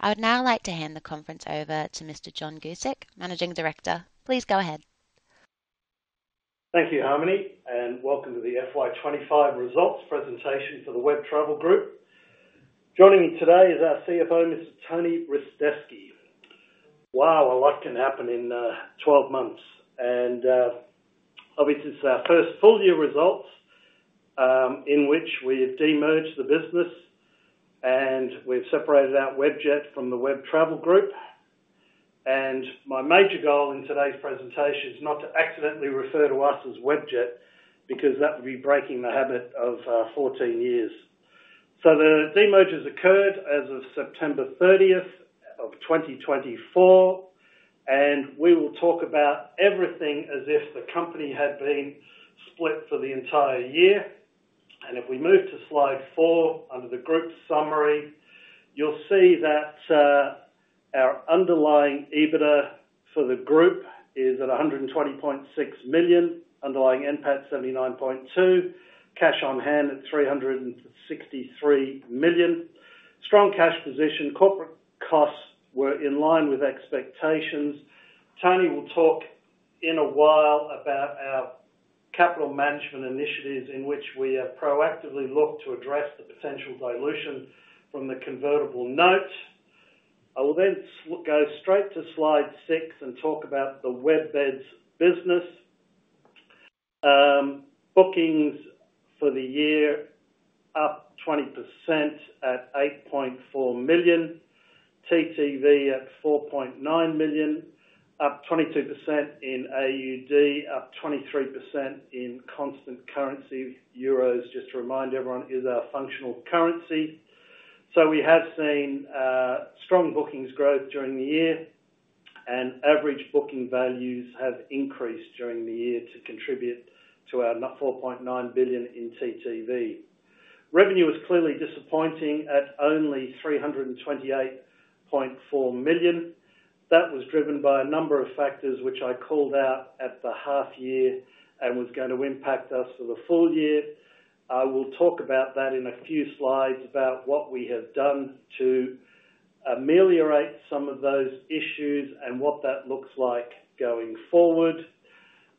I would now like to hand the conference over to Mr. John Guscic, Managing Director. Please go ahead. Thank you, Harmony, and welcome to the FY 2025 results presentation for the Web Travel Group. Joining me today is our CFO, Mr. Tony Ristevski. Wow, a lot can happen in 12 months. And obviously, it's our first full-year results in which we have de-merged the business, and we've separated out Webjet from the Web Travel Group. My major goal in today's presentation is not to accidentally refer to us as Webjet because that would be breaking the habit of 14 years. The de-mergers occurred as of September 30, 2024, and we will talk about everything as if the company had been split for the entire year. If we move to slide four under the group summary, you'll see that our underlying EBITDA for the group is at 120.6 million, underlying NPAT 79.2 million, cash on hand at 363 million. Strong cash position, corporate costs were in line with expectations. Tony will talk in a while about our capital management initiatives in which we have proactively looked to address the potential dilution from the convertible note. I will then go straight to slide six and talk about the WebBeds business. Bookings for the year up 20% at 8.4 million, TTV at 4.9 billion, up 22% in AUD, up 23% in constant currency. Euros, just to remind everyone, is our functional currency. We have seen strong bookings growth during the year, and average booking values have increased during the year to contribute to our 4.9 billion in TTV. Revenue was clearly disappointing at only 328.4 million. That was driven by a number of factors which I called out at the half year and was going to impact us for the full year. I will talk about that in a few slides about what we have done to ameliorate some of those issues and what that looks like going forward,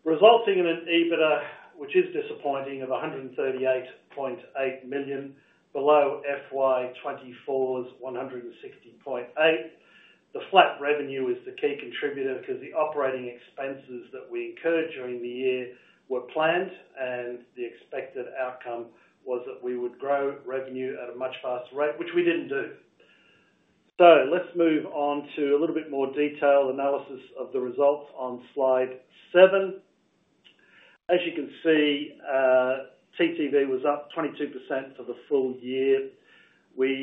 resulting in an EBITDA which is disappointing of 138.8 million below FY 2024's 160.8 million. The flat revenue is the key contributor because the operating expenses that we incurred during the year were planned, and the expected outcome was that we would grow revenue at a much faster rate, which we did not do. Let's move on to a little bit more detailed analysis of the results on slide seven. As you can see, TTV was up 22% for the full year. We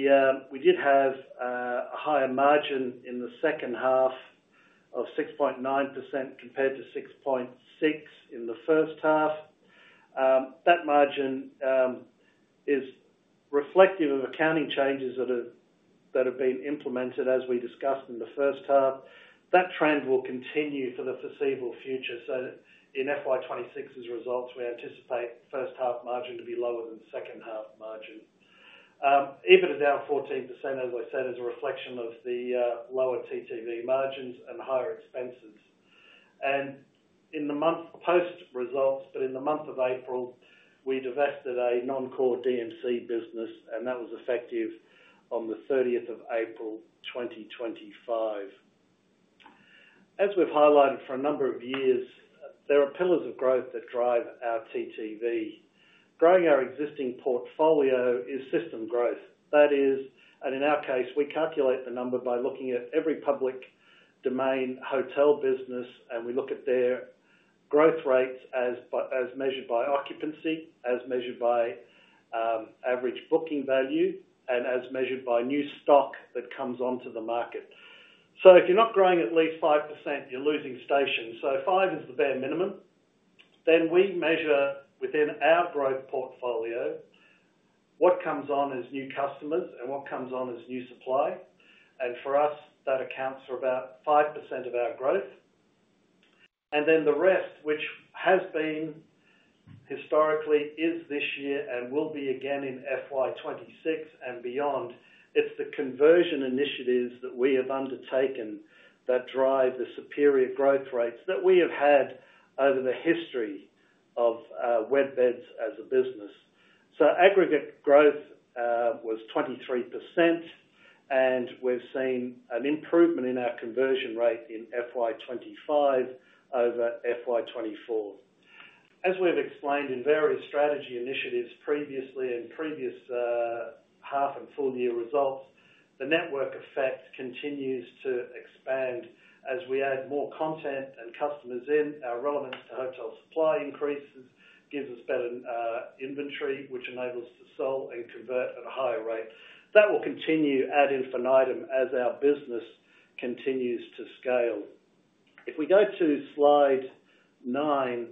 did have a higher margin in the second half of 6.9% compared to 6.6% in the first half. That margin is reflective of accounting changes that have been implemented, as we discussed in the first half. That trend will continue for the foreseeable future. In FY 2026's results, we anticipate first half margin to be lower than second half margin. EBITDA down 14%, as I said, as a reflection of the lower TTV margins and higher expenses. In the month post results, but in the month of April, we divested a non-core DMC business, and that was effective on the 30th of April 2025. As we have highlighted for a number of years, there are pillars of growth that drive our TTV. Growing our existing portfolio is system growth. That is, and in our case, we calculate the number by looking at every public domain hotel business, and we look at their growth rates as measured by occupancy, as measured by average booking value, and as measured by new stock that comes onto the market. If you are not growing at least 5%, you are losing station. Five is the bare minimum. Then we measure within our growth portfolio what comes on as new customers and what comes on as new supply. For us, that accounts for about 5% of our growth. The rest, which has been historically, is this year and will be again in FY 2026 and beyond, it's the conversion initiatives that we have undertaken that drive the superior growth rates that we have had over the history of WebBeds as a business. Aggregate growth was 23%, and we've seen an improvement in our conversion rate in FY 2025 over FY 2024. As we've explained in various strategy initiatives previously and previous half and full-year results, the network effect continues to expand. As we add more content and customers in, our relevance to hotel supply increases, gives us better inventory, which enables us to sell and convert at a higher rate. That will continue adding for an item as our business continues to scale. If we go to slide nine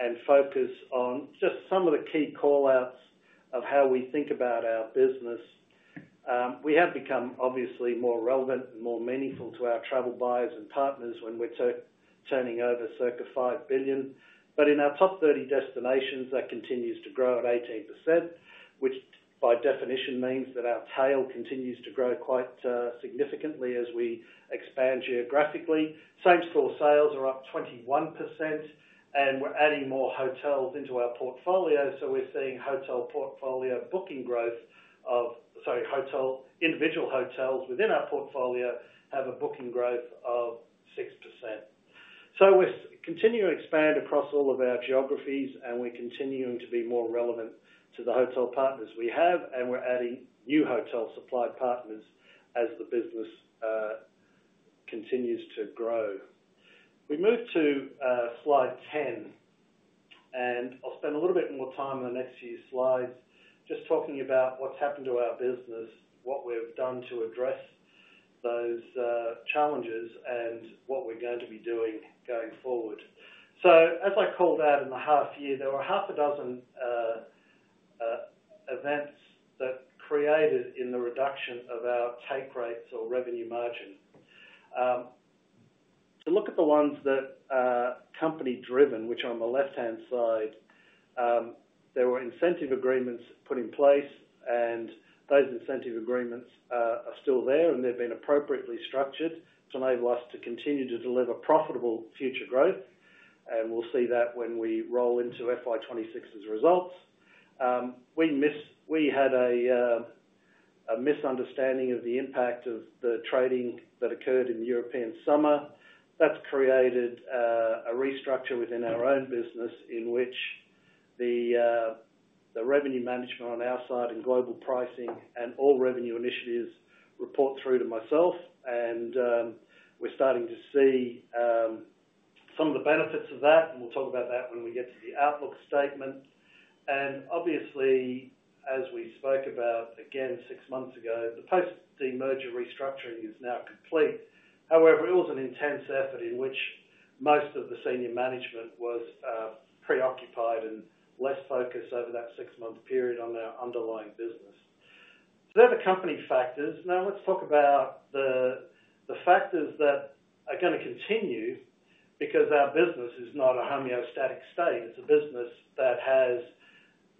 and focus on just some of the key callouts of how we think about our business, we have become, obviously, more relevant and more meaningful to our travel buyers and partners when we're turning over circa $5 billion. In our top 30 destinations, that continues to grow at 18%, which by definition means that our tail continues to grow quite significantly as we expand geographically. Same store sales are up 21%, and we're adding more hotels into our portfolio. We're seeing hotel portfolio booking growth of, sorry, individual hotels within our portfolio have a booking growth of 6%. We're continuing to expand across all of our geographies, and we're continuing to be more relevant to the hotel partners we have, and we're adding new hotel supply partners as the business continues to grow. We move to slide 10, and I'll spend a little bit more time in the next few slides just talking about what's happened to our business, what we've done to address those challenges, and what we're going to be doing going forward. As I called out in the half year, there were half a dozen events that created in the reduction of our take rates or revenue margin. To look at the ones that are company-driven, which are on the left-hand side, there were incentive agreements put in place, and those incentive agreements are still there, and they've been appropriately structured to enable us to continue to deliver profitable future growth. We will see that when we roll into FY 2026's results. We had a misunderstanding of the impact of the trading that occurred in the European summer. That has created a restructure within our own business in which the revenue management on our side and global pricing and all revenue initiatives report through to myself, and we are starting to see some of the benefits of that. We will talk about that when we get to the outlook statement. Obviously, as we spoke about again six months ago, the post de-merger restructuring is now complete. However, it was an intense effort in which most of the senior management was preoccupied and less focused over that six-month period on our underlying business. Those are the company factors. Now, let's talk about the factors that are going to continue because our business is not a homeostatic state. It's a business that has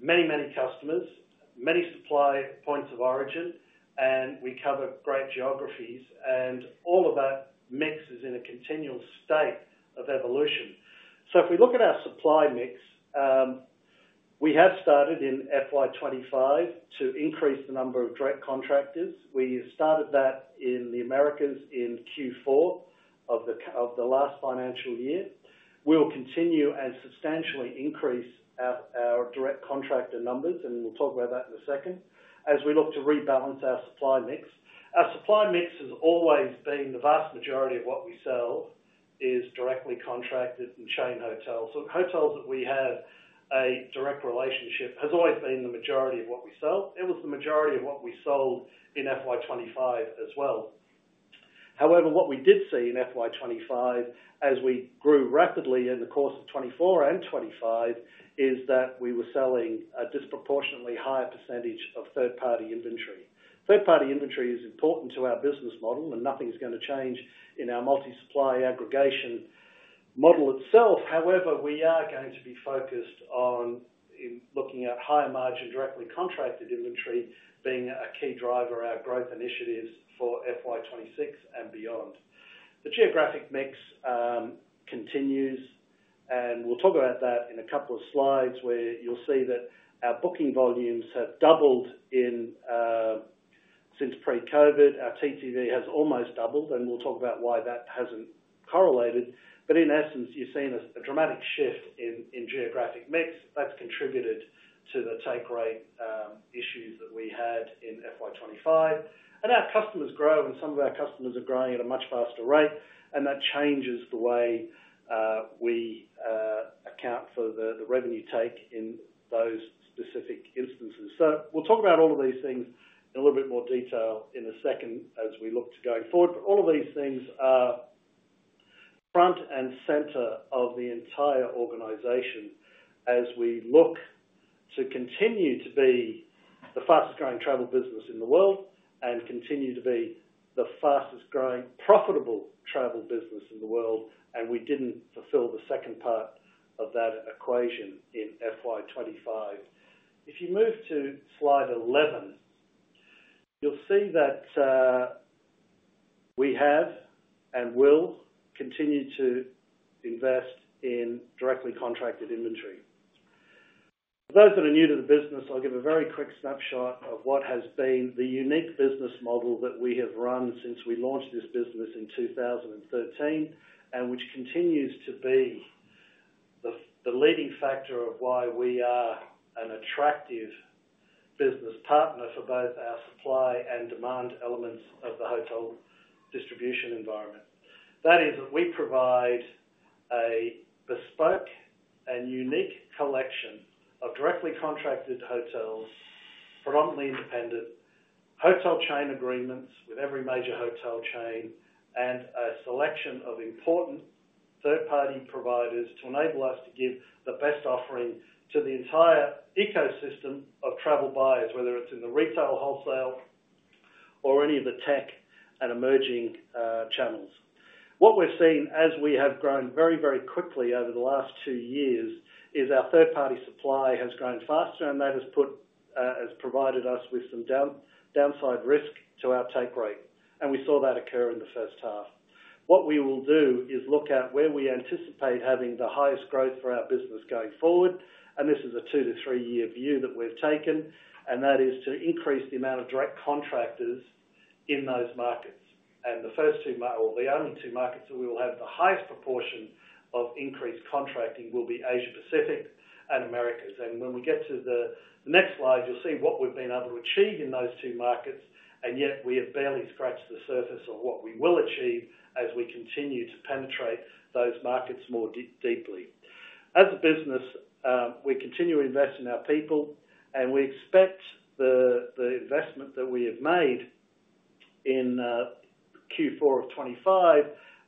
many, many customers, many supply points of origin, and we cover great geographies, and all of that mix is in a continual state of evolution. If we look at our supply mix, we have started in FY 2025 to increase the number of direct contractors. We started that in the Americas in Q4 of the last financial year. We will continue and substantially increase our direct contractor numbers, and we will talk about that in a second as we look to rebalance our supply mix. Our supply mix has always been the vast majority of what we sell is directly contracted and chain hotels. Hotels that we have a direct relationship with have always been the majority of what we sell. It was the majority of what we sold in FY 2025 as well. However, what we did see in FY 2025 as we grew rapidly in the course of 2024 and 2025 is that we were selling a disproportionately higher percentage of third-party inventory. Third-party inventory is important to our business model, and nothing is going to change in our multi-supply aggregation model itself. However, we are going to be focused on looking at higher margin directly contracted inventory being a key driver of our growth initiatives for FY 2026 and beyond. The geographic mix continues, and we will talk about that in a couple of slides where you will see that our booking volumes have doubled since pre-COVID. Our TTV has almost doubled, and we will talk about why that has not correlated. In essence, you have seen a dramatic shift in geographic mix. That has contributed to the take rate issues that we had in FY 2025. Our customers grow, and some of our customers are growing at a much faster rate, and that changes the way we account for the revenue take in those specific instances. We will talk about all of these things in a little bit more detail in a second as we look to going forward. All of these things are front and center of the entire organization as we look to continue to be the fastest-growing travel business in the world and continue to be the fastest-growing profitable travel business in the world. We did not fulfill the second part of that equation in FY 2025. If you move to slide 11, you will see that we have and will continue to invest in directly contracted inventory. For those that are new to the business, I'll give a very quick snapshot of what has been the unique business model that we have run since we launched this business in 2013 and which continues to be the leading factor of why we are an attractive business partner for both our supply and demand elements of the hotel distribution environment. That is, we provide a bespoke and unique collection of directly contracted hotels, predominantly independent hotel chain agreements with every major hotel chain, and a selection of important third-party providers to enable us to give the best offering to the entire ecosystem of travel buyers, whether it's in the retail, wholesale, or any of the tech and emerging channels. What we've seen as we have grown very, very quickly over the last two years is our third-party supply has grown faster, and that has provided us with some downside risk to our take rate. We saw that occur in the first half. What we will do is look at where we anticipate having the highest growth for our business going forward. This is a two to three-year view that we've taken, and that is to increase the amount of direct contractors in those markets. The first two or the only two markets that we will have the highest proportion of increased contracting will be Asia-Pacific and Americas. When we get to the next slide, you'll see what we've been able to achieve in those two markets, and yet we have barely scratched the surface of what we will achieve as we continue to penetrate those markets more deeply. As a business, we continue to invest in our people, and we expect the investment that we have made in Q4 of 2025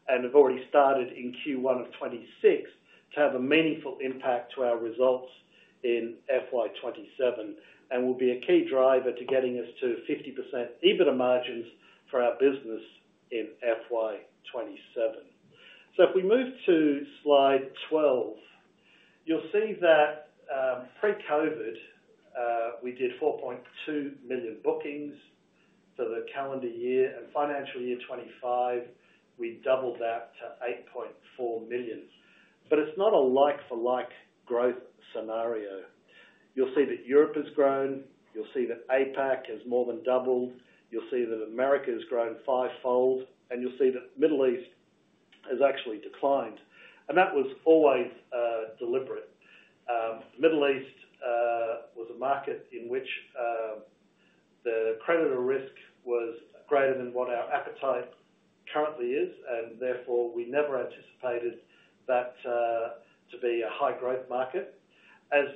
and have already started in Q1 of 2026 to have a meaningful impact to our results in FY 2027 and will be a key driver to getting us to 50% EBITDA margins for our business in FY 2027. If we move to slide 12, you'll see that pre-COVID, we did 4.2 million bookings for the calendar year, and financial year 2025, we doubled that to 8.4 million. It's not a like-for-like growth scenario. You'll see that Europe has grown. You'll see that APAC has more than doubled. You'll see that Americas has grown fivefold, and you'll see that the Middle East has actually declined. That was always deliberate. The Middle East was a market in which the creditor risk was greater than what our appetite currently is, and therefore, we never anticipated that to be a high-growth market. As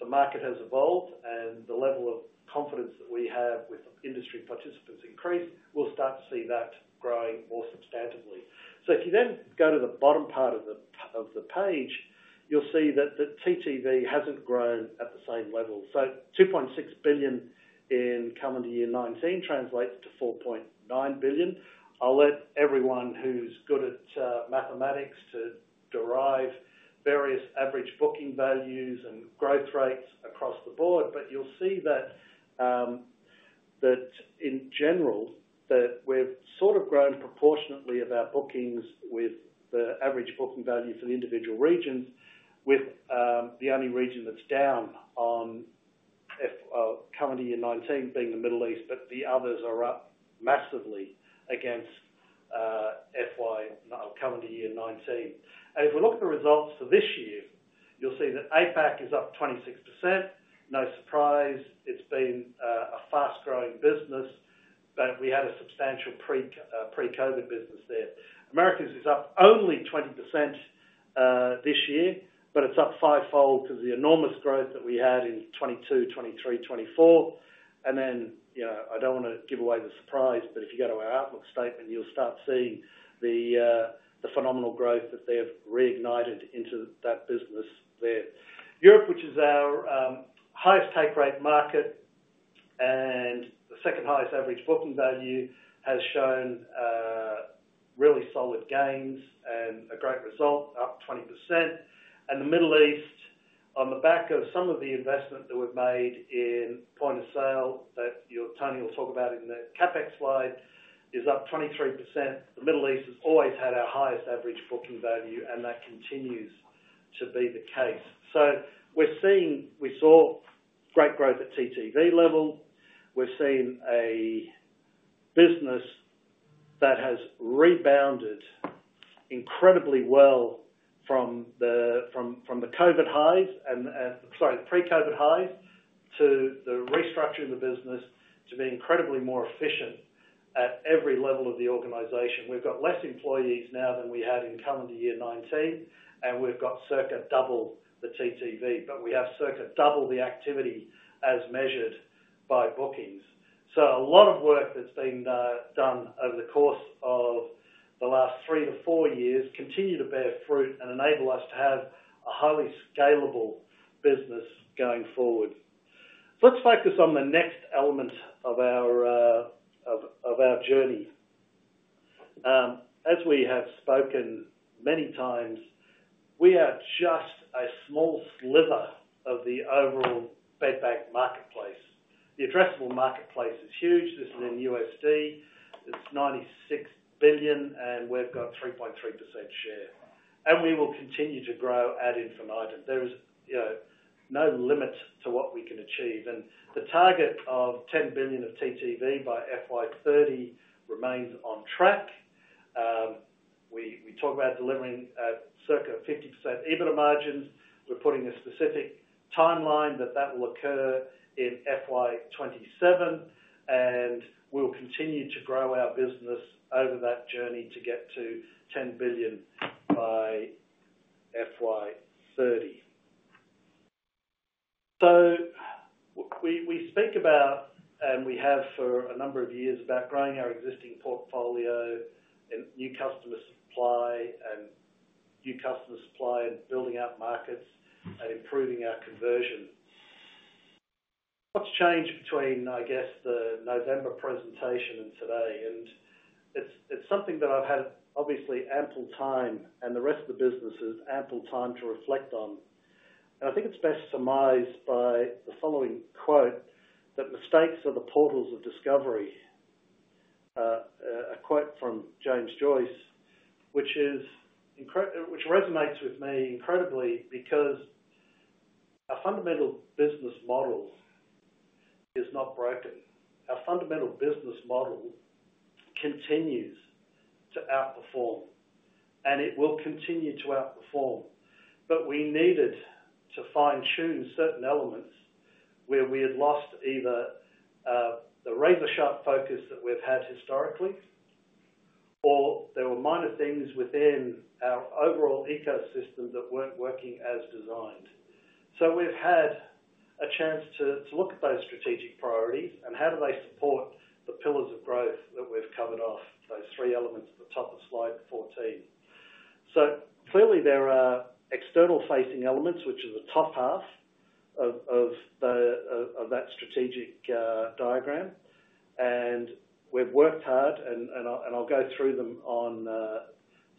the market has evolved and the level of confidence that we have with industry participants increased, we'll start to see that growing more substantively. If you then go to the bottom part of the page, you'll see that the TTV hasn't grown at the same level. 2.6 billion in calendar year 2019 translates to 4.9 billion. I'll let everyone who's good at mathematics derive various average booking values and growth rates across the board. You'll see that in general, we've sort of grown proportionately of our bookings with the average booking value for the individual regions, with the only region that's down on calendar year 2019 being the Middle East, but the others are up massively against calendar year 2019. If we look at the results for this year, you'll see that APAC is up 26%. No surprise. It's been a fast-growing business, but we had a substantial pre-COVID business there. Americas is up only 20% this year, but it's up fivefold because of the enormous growth that we had in 2022, 2023, 2024. I don't want to give away the surprise, but if you go to our outlook statement, you'll start seeing the phenomenal growth that they have reignited into that business there. Europe, which is our highest take rate market and the second highest average booking value, has shown really solid gains and a great result, up 20%. The Middle East, on the back of some of the investment that we've made in point of sale that Tony will talk about in the CapEx slide, is up 23%. The Middle East has always had our highest average booking value, and that continues to be the case. We saw great growth at TTV level. We've seen a business that has rebounded incredibly well from the pre-COVID highs to the restructuring of the business to be incredibly more efficient at every level of the organization. We've got fewer employees now than we had in calendar year 2019, and we've got circa double the TTV, but we have circa double the activity as measured by bookings. A lot of work that's been done over the course of the last three to four years continues to bear fruit and enable us to have a highly scalable business going forward. Let's focus on the next element of our journey. As we have spoken many times, we are just a small sliver of the overall feedback marketplace. The addressable marketplace is huge. This is in $96 billion, and we've got 3.3% share. We will continue to grow ad infinitum. There is no limit to what we can achieve. The target of $10 billion of TTV by FY 2030 remains on track. We talk about delivering circa 50% EBITDA margins. We're putting a specific timeline that that will occur in FY 2027, and we'll continue to grow our business over that journey to get to $10 billion by FY 2030. We speak about, and we have for a number of years, growing our existing portfolio and new customer supply and building out markets and improving our conversion. What has changed between, I guess, the November presentation and today? It is something that I have had obviously ample time and the rest of the business has ample time to reflect on. I think it is best surmised by the following quote: "Mistakes are the portals of discovery," a quote from James Joyce, which resonates with me incredibly because our fundamental business model is not broken. Our fundamental business model continues to outperform, and it will continue to outperform. We needed to fine-tune certain elements where we had lost either the razor-sharp focus that we have had historically, or there were minor things within our overall ecosystem that were not working as designed. We have had a chance to look at those strategic priorities and how they support the pillars of growth that we have covered off, those three elements at the top of slide 14. Clearly, there are external-facing elements, which are the top half of that strategic diagram. We have worked hard, and I will go through them on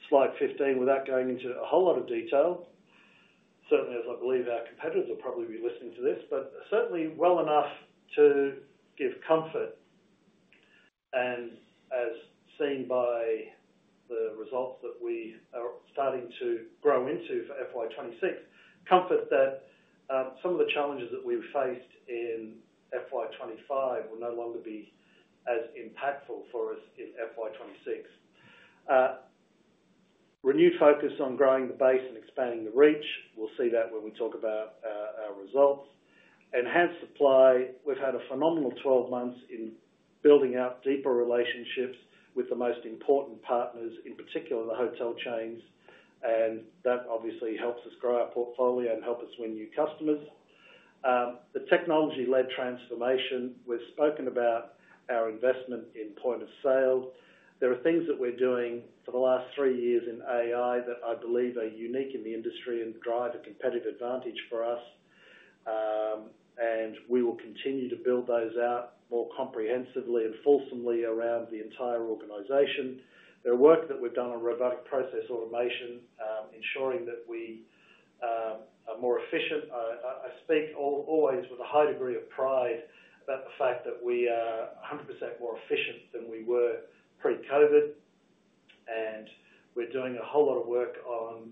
slide 15 without going into a whole lot of detail, certainly as I believe our competitors will probably be listening to this, but certainly well enough to give comfort. As seen by the results that we are starting to grow into for FY 2026, there is comfort that some of the challenges that we have faced in FY 2025 will no longer be as impactful for us in FY 2026. Renewed focus on growing the base and expanding the reach. We will see that when we talk about our results. Enhanced supply. We've had a phenomenal 12 months in building out deeper relationships with the most important partners, in particular the hotel chains, and that obviously helps us grow our portfolio and help us win new customers. The technology-led transformation. We've spoken about our investment in point of sale. There are things that we're doing for the last three years in AI that I believe are unique in the industry and drive a competitive advantage for us, and we will continue to build those out more comprehensively and fulsomely around the entire organization. There is work that we've done on robotic process automation, ensuring that we are more efficient. I speak always with a high degree of pride about the fact that we are 100% more efficient than we were pre-COVID, and we're doing a whole lot of work on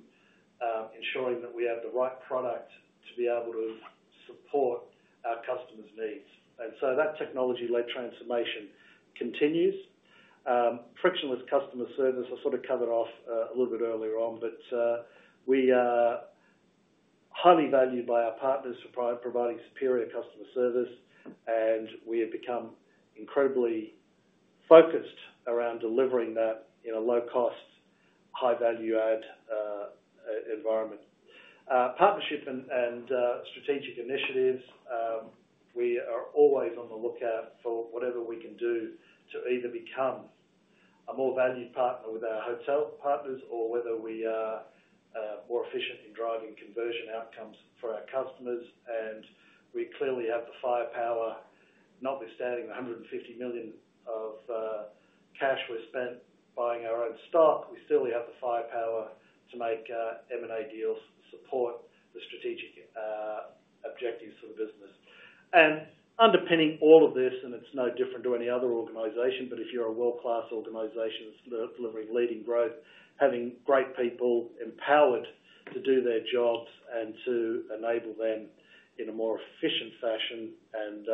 ensuring that we have the right product to be able to support our customers' needs. That technology-led transformation continues. Frictionless customer service I sort of covered off a little bit earlier on, but we are highly valued by our partners for providing superior customer service, and we have become incredibly focused around delivering that in a low-cost, high-value-add environment. Partnership and strategic initiatives. We are always on the lookout for whatever we can do to either become a more valued partner with our hotel partners or whether we are more efficient in driving conversion outcomes for our customers. We clearly have the firepower. Notwithstanding the 150 million of cash we've spent buying our own stock, we still have the firepower to make M&A deals support the strategic objectives for the business. Underpinning all of this, and it's no different to any other organization, but if you're a world-class organization delivering leading growth, having great people empowered to do their jobs and to enable them in a more efficient fashion and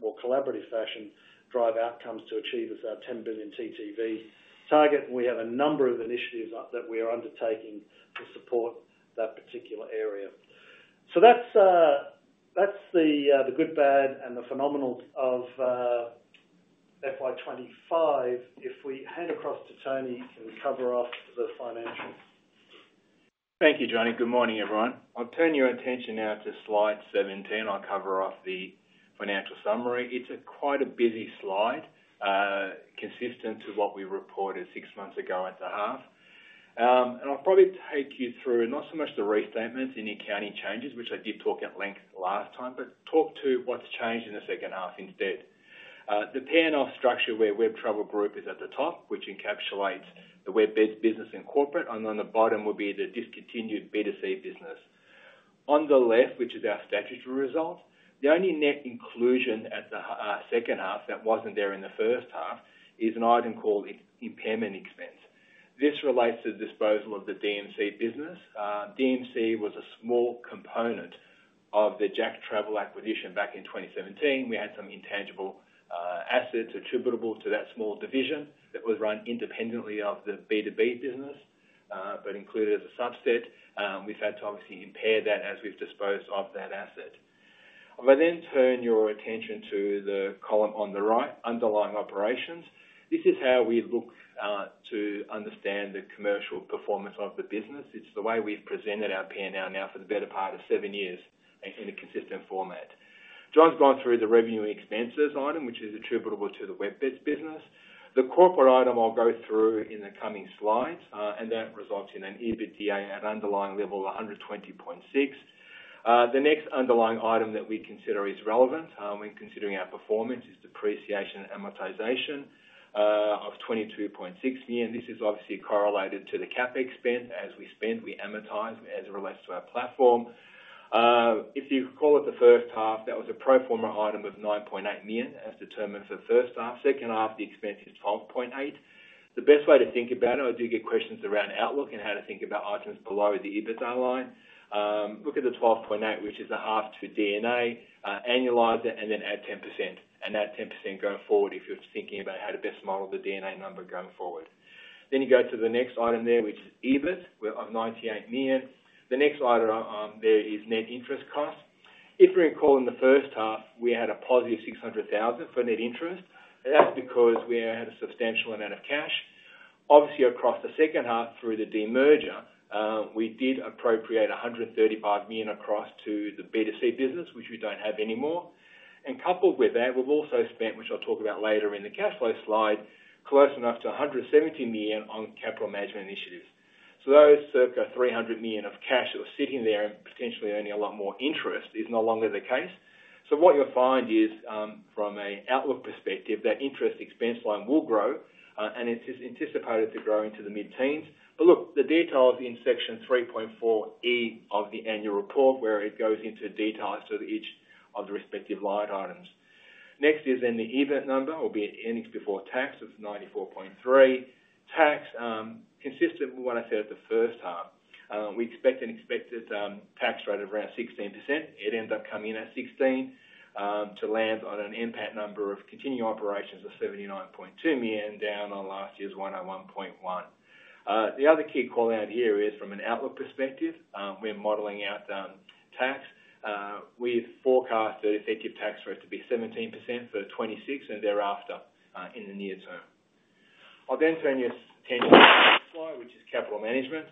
more collaborative fashion to drive outcomes to achieve our 10 billion TTV target. We have a number of initiatives that we are undertaking to support that particular area. That's the good, bad, and the phenomenal of FY 2025. If we hand across to Tony and cover off the financials. Thank you, Johnny. Good morning, everyone. I'll turn your attention now to slide 17. I'll cover off the financial summary.It's quite a busy slide, consistent to what we reported six months ago at the half. I'll probably take you through not so much the restatements and the accounting changes, which I did talk at length last time, but talk to what's changed in the second half instead. The P&L structure where Web Travel Group is at the top, which encapsulates the WebBeds business and corporate, and on the bottom will be the discontinued B2C business. On the left, which is our statutory result, the only net inclusion at the second half that wasn't there in the first half is an item called impairment expense. This relates to the disposal of the DMC business. DMC was a small component of the Jack Travel acquisition back in 2017. We had some intangible assets attributable to that small division that was run independently of the B2B business but included as a subset. We've had to obviously impair that as we've disposed of that asset. I'll then turn your attention to the column on the right, underlying operations. This is how we look to understand the commercial performance of the business. It's the way we've presented our P&L now for the better part of seven years in a consistent format. John's gone through the revenue expenses item, which is attributable to the WebBeds business. The corporate item I'll go through in the coming slides, and that results in an EBITDA at underlying level of 120.6 million. The next underlying item that we consider is relevant when considering our performance is depreciation amortization of 22.6 million. This is obviously correlated to the CapEx spend. As we spend, we amortize as it relates to our platform. If you recall at the first half, that was a pro forma item of 9.8 million as determined for the first half. Second half, the expense is 12.8 million. The best way to think about it, I do get questions around outlook and how to think about items below the EBITDA line. Look at the 12.8 million, which is the half two DNA annualizer, and then add 10%. And that 10% going forward, if you're thinking about how to best model the DNA number going forward. You go to the next item there, which is EBIT of 98 million. The next item there is net interest cost. If you recall in the first half, we had a positive 600,000 for net interest. That's because we had a substantial amount of cash. Obviously, across the second half through the demerger, we did appropriate 135 million across to the B2C business, which we do not have anymore. Coupled with that, we have also spent, which I will talk about later in the cash flow slide, close enough to 170 million on capital management initiatives. Those circa 300 million of cash that were sitting there and potentially earning a lot more interest is no longer the case. What you will find is, from an outlook perspective, that interest expense line will grow, and it is anticipated to grow into the mid-teens %. The details are in section 3.4E of the annual report where it goes into details to each of the respective line items. Next is then the EBIT number, or the earnings before tax, of 94.3 million. Tax, consistent with what I said at the first half, we expect an expected tax rate of around 16%. It ended up coming in at 16 to land on an impact number of continuing operations of 79.2 million, down on last year's 101.1 million. The other key call-out here is, from an outlook perspective, we're modeling out tax. We've forecasted effective tax rate to be 17% for 2026 and thereafter in the near term. I'll then turn your attention to the next slide, which is capital management.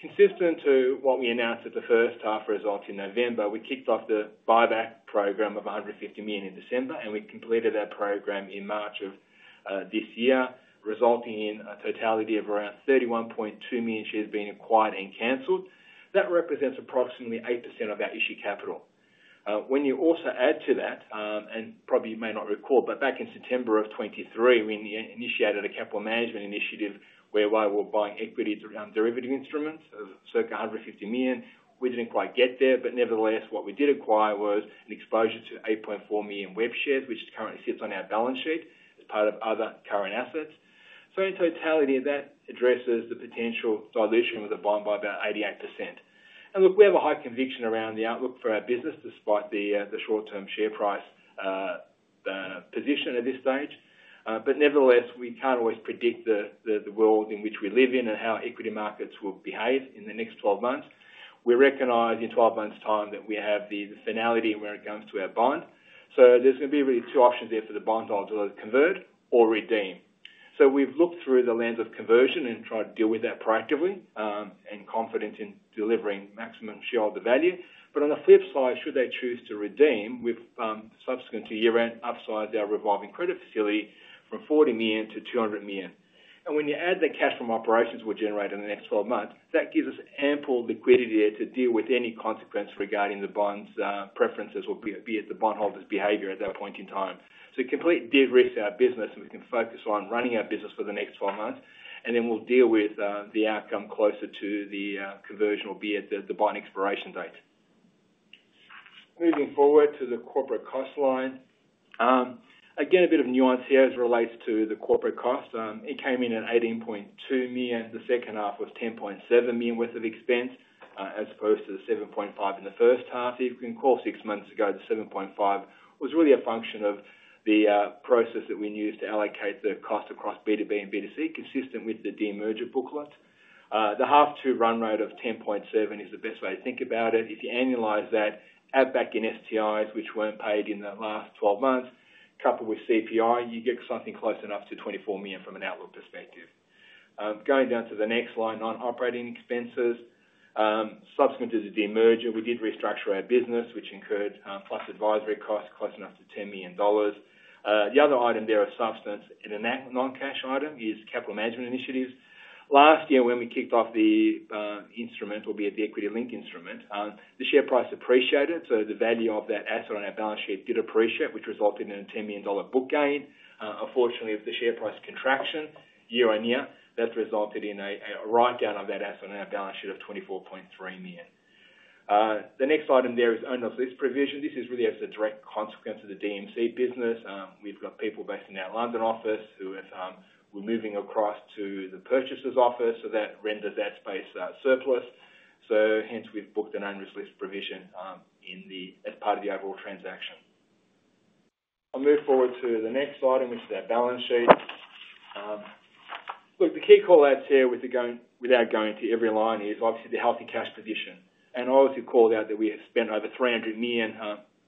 Consistent to what we announced at the first half result in November, we kicked off the buyback program of 150 million in December, and we completed that program in March of this year, resulting in a totality of around 31.2 million shares being acquired and canceled. That represents approximately 8% of our issued capital. When you also add to that, and probably you may not recall, but back in September of 2023, we initiated a capital management initiative whereby we were buying equities around derivative instruments of 150 million. We did not quite get there, but nevertheless, what we did acquire was an exposure to 8.4 million Webjet shares, which currently sits on our balance sheet as part of other current assets. In totality, that addresses the potential dilution with a buy-in by about 88%. We have a high conviction around the outlook for our business despite the short-term share price position at this stage. Nevertheless, we cannot always predict the world in which we live in and how equity markets will behave in the next 12 months. We recognize in 12 months' time that we have the finality when it comes to our bond. There are going to be really two options there for the bond: either convert or redeem. We have looked through the lens of conversion and tried to deal with that proactively and are confident in delivering maximum shareholder value. On the flip side, should they choose to redeem, we have, subsequent to year-end, upsized our revolving credit facility from 40 million-200 million. When you add the cash from operations we are generating in the next 12 months, that gives us ample liquidity to deal with any consequence regarding the bond's preferences or the bondholder's behavior at that point in time. It has completely de-risked our business, and we can focus on running our business for the next 12 months, and then we will deal with the outcome closer to the conversion or the bond expiration date. Moving forward to the corporate cost line. Again, a bit of nuance here as it relates to the corporate cost. It came in at 18.2 million. The second half was 10.7 million worth of expense as opposed to the 7.5 million in the first half. If you can recall six months ago, the 7.5 million was really a function of the process that we used to allocate the cost across B2B and B2C, consistent with the demerger booklet. The half-to-run rate of 10.7 million is the best way to think about it. If you annualize that, add back in STIs, which were not paid in the last 12 months, coupled with CPI, you get something close enough to 24 million from an outlook perspective. Going down to the next line, non-operating expenses. Subsequent to the demerger, we did restructure our business, which incurred plus advisory costs close enough to 10 million dollars. The other item there of substance in a non-cash item is capital management initiatives. Last year, when we kicked off the instrument, or be it the equity-linked instrument, the share price appreciated. So the value of that asset on our balance sheet did appreciate, which resulted in a $10 million book gain. Unfortunately, with the share price contraction year on year, that resulted in a write-down of that asset on our balance sheet of $24.3 million. The next item there is owners' list provision. This is really as a direct consequence of the DMC business. We've got people based in our London office who are moving across to the purchaser's office, so that renders that space surplus. Hence, we've booked an owners' list provision as part of the overall transaction. I'll move forward to the next slide, which is our balance sheet. Look, the key call-outs here without going to every line is obviously the healthy cash position. I will also call out that we have spent over 300 million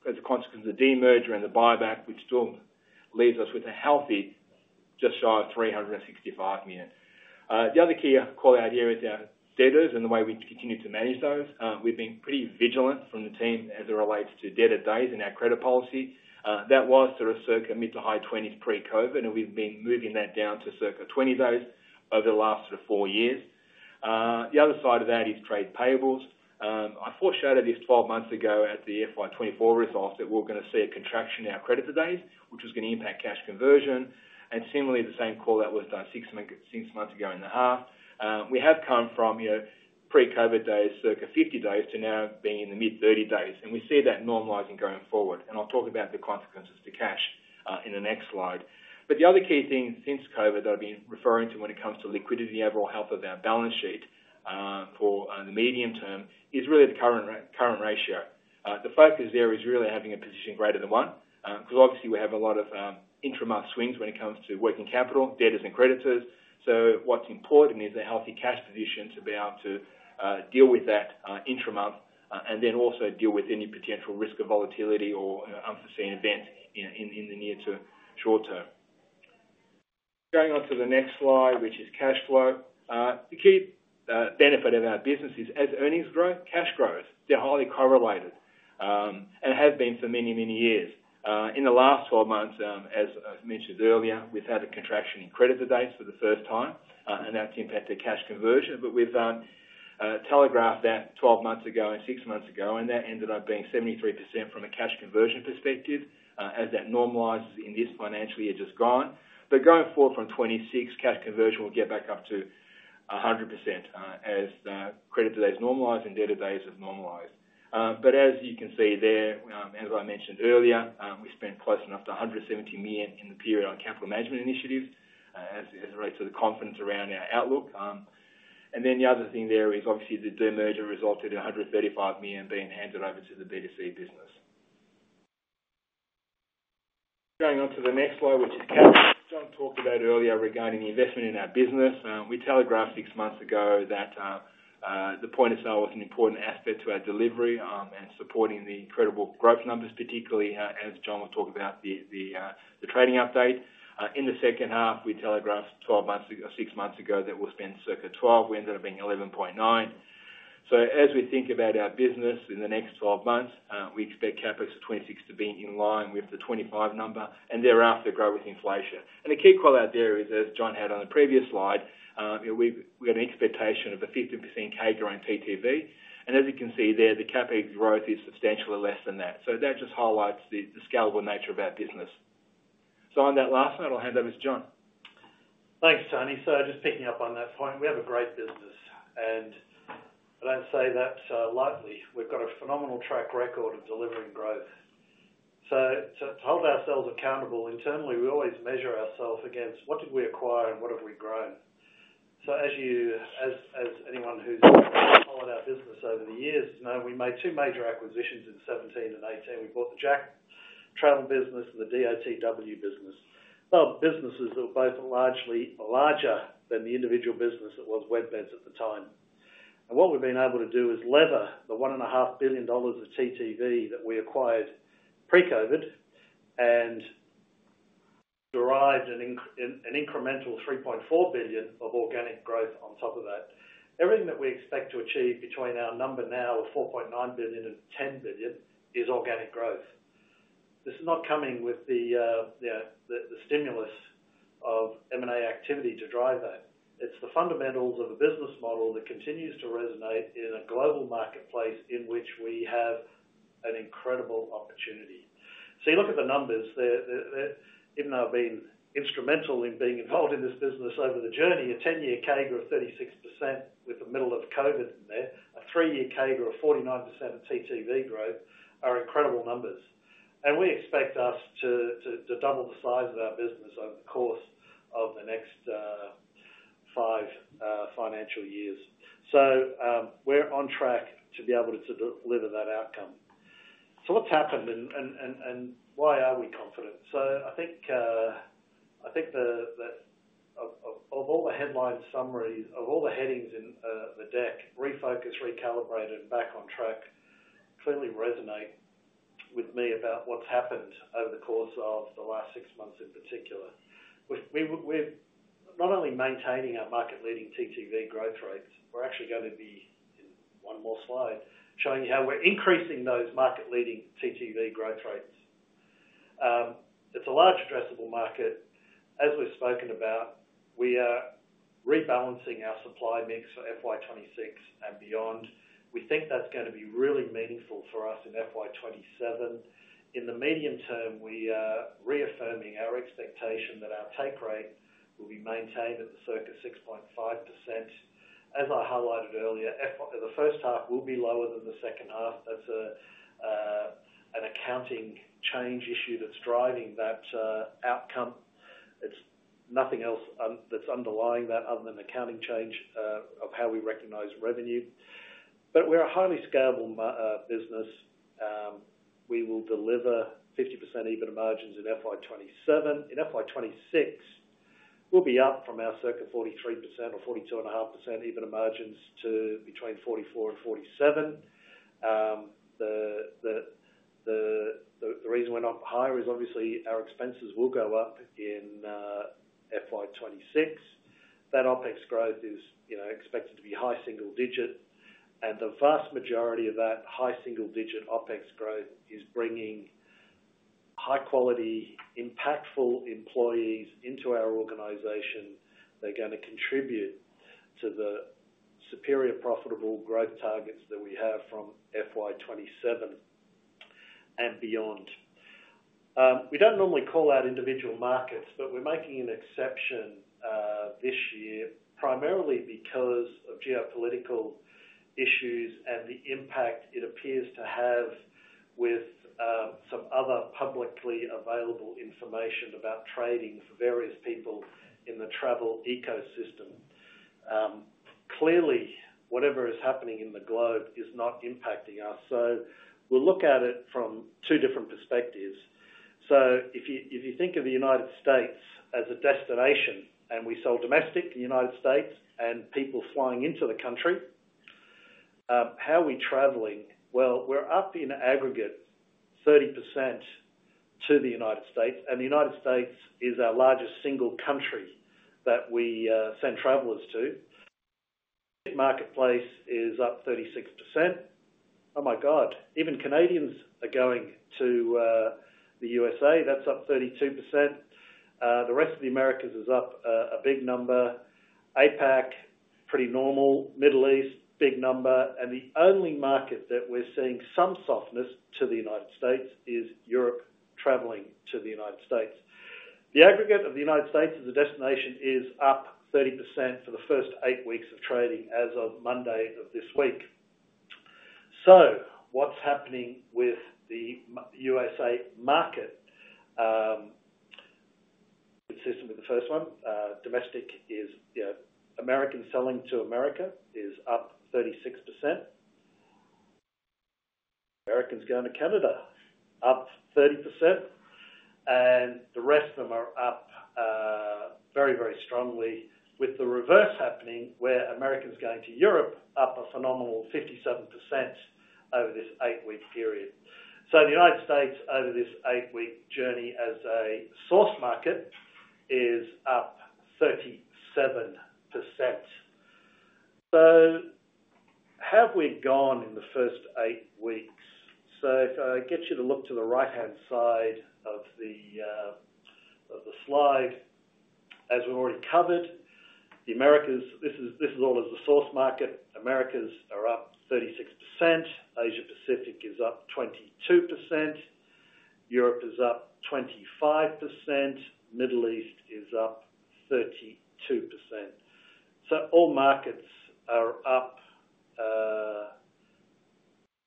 as a consequence of the demerger and the buyback, which still leaves us with a healthy just shy of 365 million. The other key call-out here is our debtors and the way we continue to manage those. We have been pretty vigilant from the team as it relates to debtor days in our credit policy. That was sort of circa mid to high 20s pre-COVID, and we have been moving that down to circa 20 days over the last sort of four years. The other side of that is trade payables. I foreshadowed this 12 months ago at the FY 2024 result that we are going to see a contraction in our creditor days, which was going to impact cash conversion. Similarly, the same call-out was done six months ago in the half. We have come from pre-COVID days, circa 50 days, to now being in the mid-30 days. We see that normalizing going forward. I will talk about the consequences to cash in the next slide. The other key thing since COVID that I have been referring to when it comes to liquidity and the overall health of our balance sheet for the medium term is really the current ratio. The focus there is really having a position greater than one because obviously we have a lot of interim month swings when it comes to working capital, debtors, and creditors. What is important is a healthy cash position to be able to deal with that interim month and then also deal with any potential risk of volatility or unforeseen events in the near to short term. Going on to the next slide, which is cash flow. The key benefit of our business is as earnings grow, cash grows. They're highly correlated and have been for many, many years. In the last 12 months, as I mentioned earlier, we've had a contraction in creditor days for the first time, and that's impacted cash conversion. We telegraphed that 12 months ago and six months ago, and that ended up being 73% from a cash conversion perspective as that normalizes in this financial year just gone. Going forward from 2026, cash conversion will get back up to 100% as creditor days normalize and debtor days have normalized. As you can see there, as I mentioned earlier, we spent close enough to 170 million in the period on capital management initiatives as it relates to the confidence around our outlook. The other thing there is obviously the demerger resulted in 135 million being handed over to the B2C business. Going on to the next slide, which is cash. John talked about earlier regarding the investment in our business. We telegraphed six months ago that the point of sale was an important aspect to our delivery and supporting the incredible growth numbers, particularly as John will talk about the trading update. In the second half, we telegraphed six months ago that we'll spend circa 12 million. We ended up being 11.9 million. As we think about our business in the next 12 months, we expect CapEx for 2026 to be in line with the 2025 number and thereafter grow with inflation. The key call-out there is, as John had on the previous slide, we had an expectation of a 50% CAGR on TTV. As you can see there, the CapEx growth is substantially less than that. That just highlights the scalable nature of our business. On that last slide, I'll hand over to John. Thanks, Tony. Just picking up on that point, we have a great business, and I don't say that lightly. We've got a phenomenal track record of delivering growth. To hold ourselves accountable internally, we always measure ourselves against what did we acquire and what have we grown. As anyone who's followed our business over the years knows, we made two major acquisitions in 2017 and 2018. We bought the Jack Travel business and the DOTW business. They were businesses that were both largely larger than the individual business that was WebBeds at the time. What we have been able to do is lever the $1.5 billion of TTV that we acquired pre-COVID and derived an incremental $3.4 billion of organic growth on top of that. Everything that we expect to achieve between our number now of $4.9 billion and $10 billion is organic growth. This is not coming with the stimulus of M&A activity to drive that. It is the fundamentals of a business model that continues to resonate in a global marketplace in which we have an incredible opportunity. You look at the numbers there, even though I have been instrumental in being involved in this business over the journey, a 10-year CAGR of 36% with the middle of COVID in there, a three-year CAGR of 49% of TTV growth are incredible numbers. We expect us to double the size of our business over the course of the next five financial years. We're on track to be able to deliver that outcome. What's happened and why are we confident? I think of all the headline summaries, of all the headings in the deck, refocused, recalibrated, and back on track clearly resonate with me about what's happened over the course of the last six months in particular. We're not only maintaining our market-leading TTV growth rates. We're actually going to be in one more slide showing how we're increasing those market-leading TTV growth rates. It's a large addressable market. As we've spoken about, we are rebalancing our supply mix for FY 2026 and beyond. We think that's going to be really meaningful for us in FY 2027. In the medium term, we are reaffirming our expectation that our take rate will be maintained at the circa 6.5%. As I highlighted earlier, the first half will be lower than the second half. That's an accounting change issue that's driving that outcome. It's nothing else that's underlying that other than accounting change of how we recognize revenue. But we're a highly scalable business. We will deliver 50% EBITDA margins in FY 2027. In FY 2026, we'll be up from our circa 43% or 42.5% EBITDA margins to between 44%-47%. The reason we're not higher is obviously our expenses will go up in FY 2026. That OpEx growth is expected to be high single digit. And the vast majority of that high single digit OpEx growth is bringing high-quality, impactful employees into our organization. They're going to contribute to the superior profitable growth targets that we have from FY 2027 and beyond. We don't normally call out individual markets, but we're making an exception this year primarily because of geopolitical issues and the impact it appears to have with some other publicly available information about trading for various people in the travel ecosystem. Clearly, whatever is happening in the globe is not impacting us. We will look at it from two different perspectives. If you think of the United States as a destination and we sell domestic in the United States and people flying into the country, how are we traveling? We're up in aggregate 30% to the United States. The United States is our largest single country that we send travelers to. Marketplace is up 36%. Oh my God, even Canadians are going to the U.S.A. That's up 32%. The rest of the Americas is up a big number. APAC, pretty normal. Middle East, big number. The only market that we're seeing some softness to the United States is Europe traveling to the United States. The aggregate of the United States as a destination is up 30% for the first eight weeks of trading as of Monday of this week. What's happening with the U.S. market? Consistent with the first one, domestic is American selling to America is up 36%. Americans going to Canada up 30%. The rest of them are up very, very strongly with the reverse happening where Americans going to Europe up a phenomenal 57% over this eight-week period. The United States over this eight-week journey as a source market is up 37%. How have we gone in the first eight weeks? If I get you to look to the right-hand side of the slide, as we've already covered, this is all as a source market. Americas are up 36%. Asia-Pacific is up 22%. Europe is up 25%. Middle East is up 32%. All markets are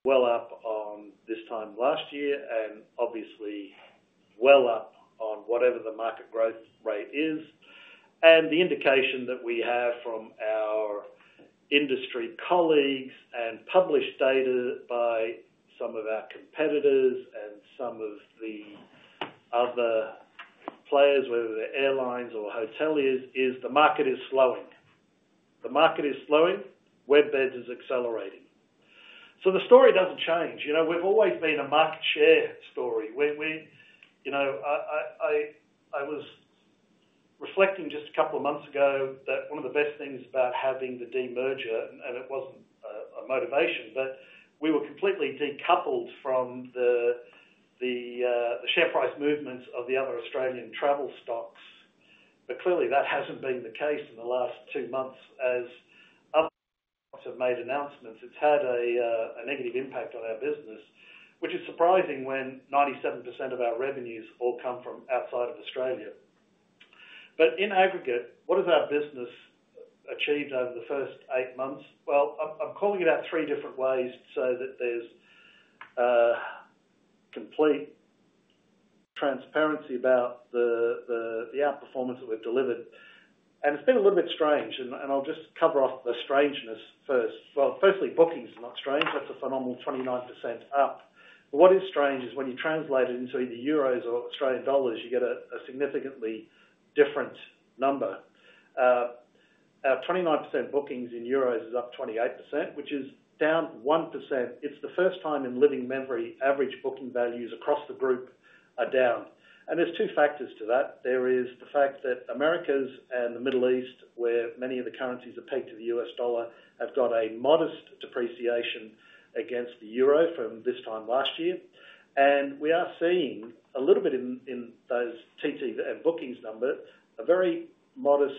well up on this time last year and obviously well up on whatever the market growth rate is. The indication that we have from our industry colleagues and published data by some of our competitors and some of the other players, whether they're airlines or hoteliers, is the market is slowing. The market is slowing. WebBeds is accelerating. The story does not change. We've always been a market share story. I was reflecting just a couple of months ago that one of the best things about having the demerger, and it was not a motivation, but we were completely decoupled from the share price movements of the other Australian travel stocks. Clearly, that has not been the case in the last two months as other stocks have made announcements. It has had a negative impact on our business, which is surprising when 97% of our revenues all come from outside of Australia. In aggregate, what has our business achieved over the first eight months? I am calling it out three different ways so that there is complete transparency about the outperformance that we have delivered. It has been a little bit strange. I will just cover off the strangeness first. Firstly, bookings are not strange. That is a phenomenal 29% up. What is strange is when you translate it into either euros or Australian dollars, you get a significantly different number. Our 29% bookings in euros is up 28%, which is down 1%. It is the first time in living memory average booking values across the group are down. There are two factors to that. There is the fact that Americas and the Middle East, where many of the currencies are pegged to the U.S. dollar, have got a modest depreciation against the euro from this time last year. We are seeing a little bit in those bookings numbers, a very modest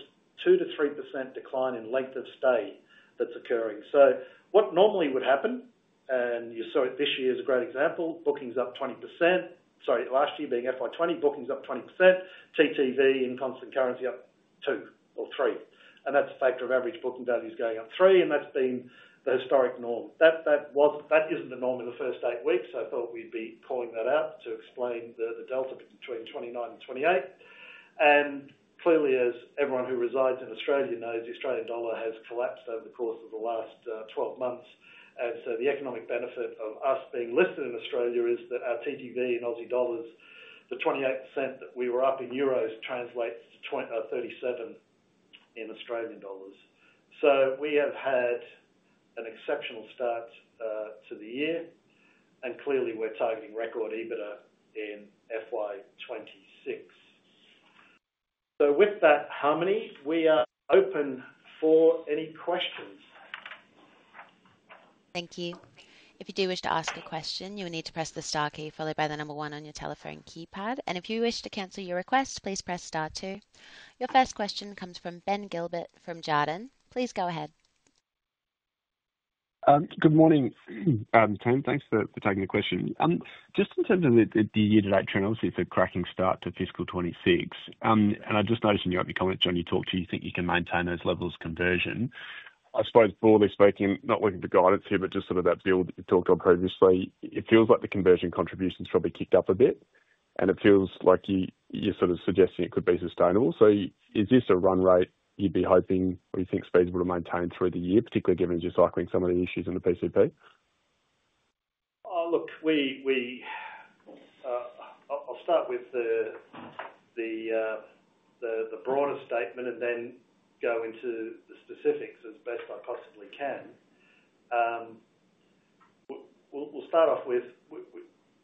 2%-3% decline in length of stay that's occurring. What normally would happen, and you saw it this year as a great example, bookings up 20%. Sorry, last year being FY 2020, bookings up 20%. TTV in constant currency up 2% or 3%. That's a factor of average booking values going up 3%, and that's been the historic norm. That isn't the norm in the first eight weeks, so I thought we'd be calling that out to explain the delta between 29 and 28. Clearly, as everyone who resides in Australia knows, the Australian dollar has collapsed over the course of the last 12 months. The economic benefit of us being listed in Australia is that our TTV in Aussie dollars, the 28% that we were up in euros translates to 37% in Australian dollars. We have had an exceptional start to the year, and clearly, we're targeting record EBITDA in FY 2026. With that harmony, we are open for any questions. Thank you. If you do wish to ask a question, you will need to press the star key followed by the number one on your telephone keypad. If you wish to cancel your request, please press star two. Your first question comes from Ben Gilbert from Jarden. Please go ahead. Good morning, Tony. Thanks for taking the question. Just in terms of the year-to-date trend, obviously, it's a cracking start to fiscal 2026. And I just noticed in your comments when you talked to, you think you can maintain those levels of conversion. I suppose, broadly speaking, not looking for guidance here, but just sort of that deal you talked on previously, it feels like the conversion contribution's probably kicked up a bit, and it feels like you're sort of suggesting it could be sustainable. So is this a run rate you'd be hoping or you think Spez will maintain through the year, particularly given you're cycling some of the issues in the PCP? Look, I'll start with the broader statement and then go into the specifics as best I possibly can. We'll start off with,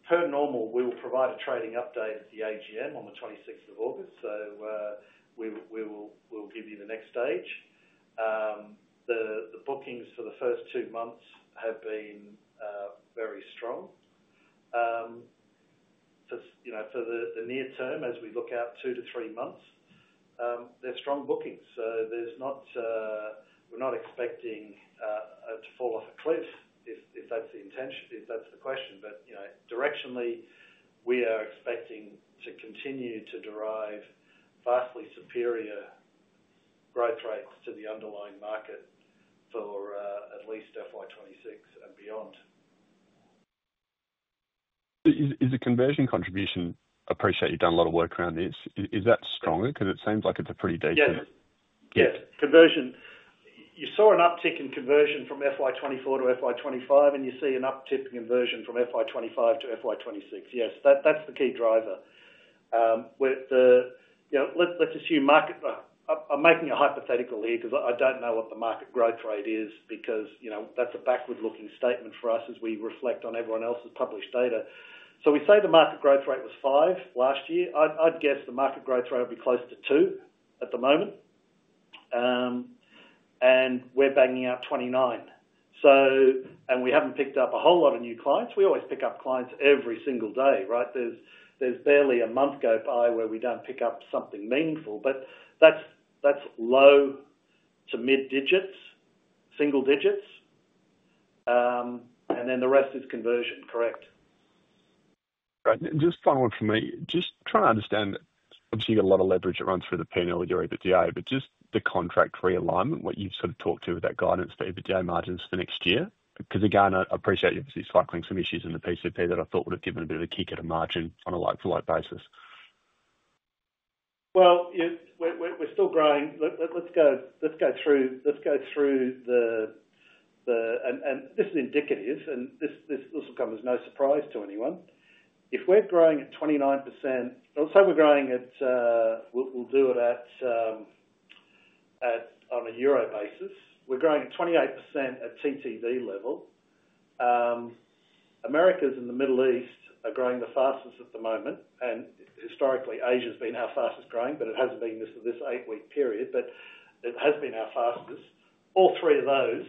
per normal, we will provide a trading update at the AGM on the 26th of August. We'll give you the next stage. The bookings for the first two months have been very strong. For the near term, as we look out two to three months, they're strong bookings. We're not expecting to fall off a cliff if that's the question. Directionally, we are expecting to continue to derive vastly superior growth rates to the underlying market for at least FY 2026 and beyond. Is the conversion contribution? Appreciate you've done a lot of work around this. Is that stronger? Because it seems like it's a pretty decent. Yes. Yes. Conversion. You saw an uptick in conversion from FY 2024-FY 2025, and you see an uptick in conversion from FY 2025-FY 2026. Yes, that's the key driver. Let's assume market, I'm making a hypothetical here because I don't know what the market growth rate is because that's a backward-looking statement for us as we reflect on everyone else's published data. We say the market growth rate was 5% last year. I'd guess the market growth rate would be close to 2% at the moment. We're banging out 29%. We haven't picked up a whole lot of new clients. We always pick up clients every single day, right? There's barely a month go by where we don't pick up something meaningful. That's low to mid-single digits. The rest is conversion, correct. Just following from me, just trying to understand, obviously, you've got a lot of leverage that runs through the P&L with your EBITDA, but just the contract realignment, what you've sort of talked to with that guidance for EBITDA margins for next year. Because again, I appreciate you're obviously cycling some issues in the PCP that I thought would have given a bit of a kick at a margin on a like-for-like basis. We are still growing. Let's go through the and this is indicative, and this will come as no surprise to anyone. If we are growing at 29%, let's say we are growing at, we'll do it on a euro basis. We are growing at 28% at TTV level. Americas and the Middle East are growing the fastest at the moment. Historically, Asia has been our fastest growing, but it has not been this eight-week period, but it has been our fastest. All three of those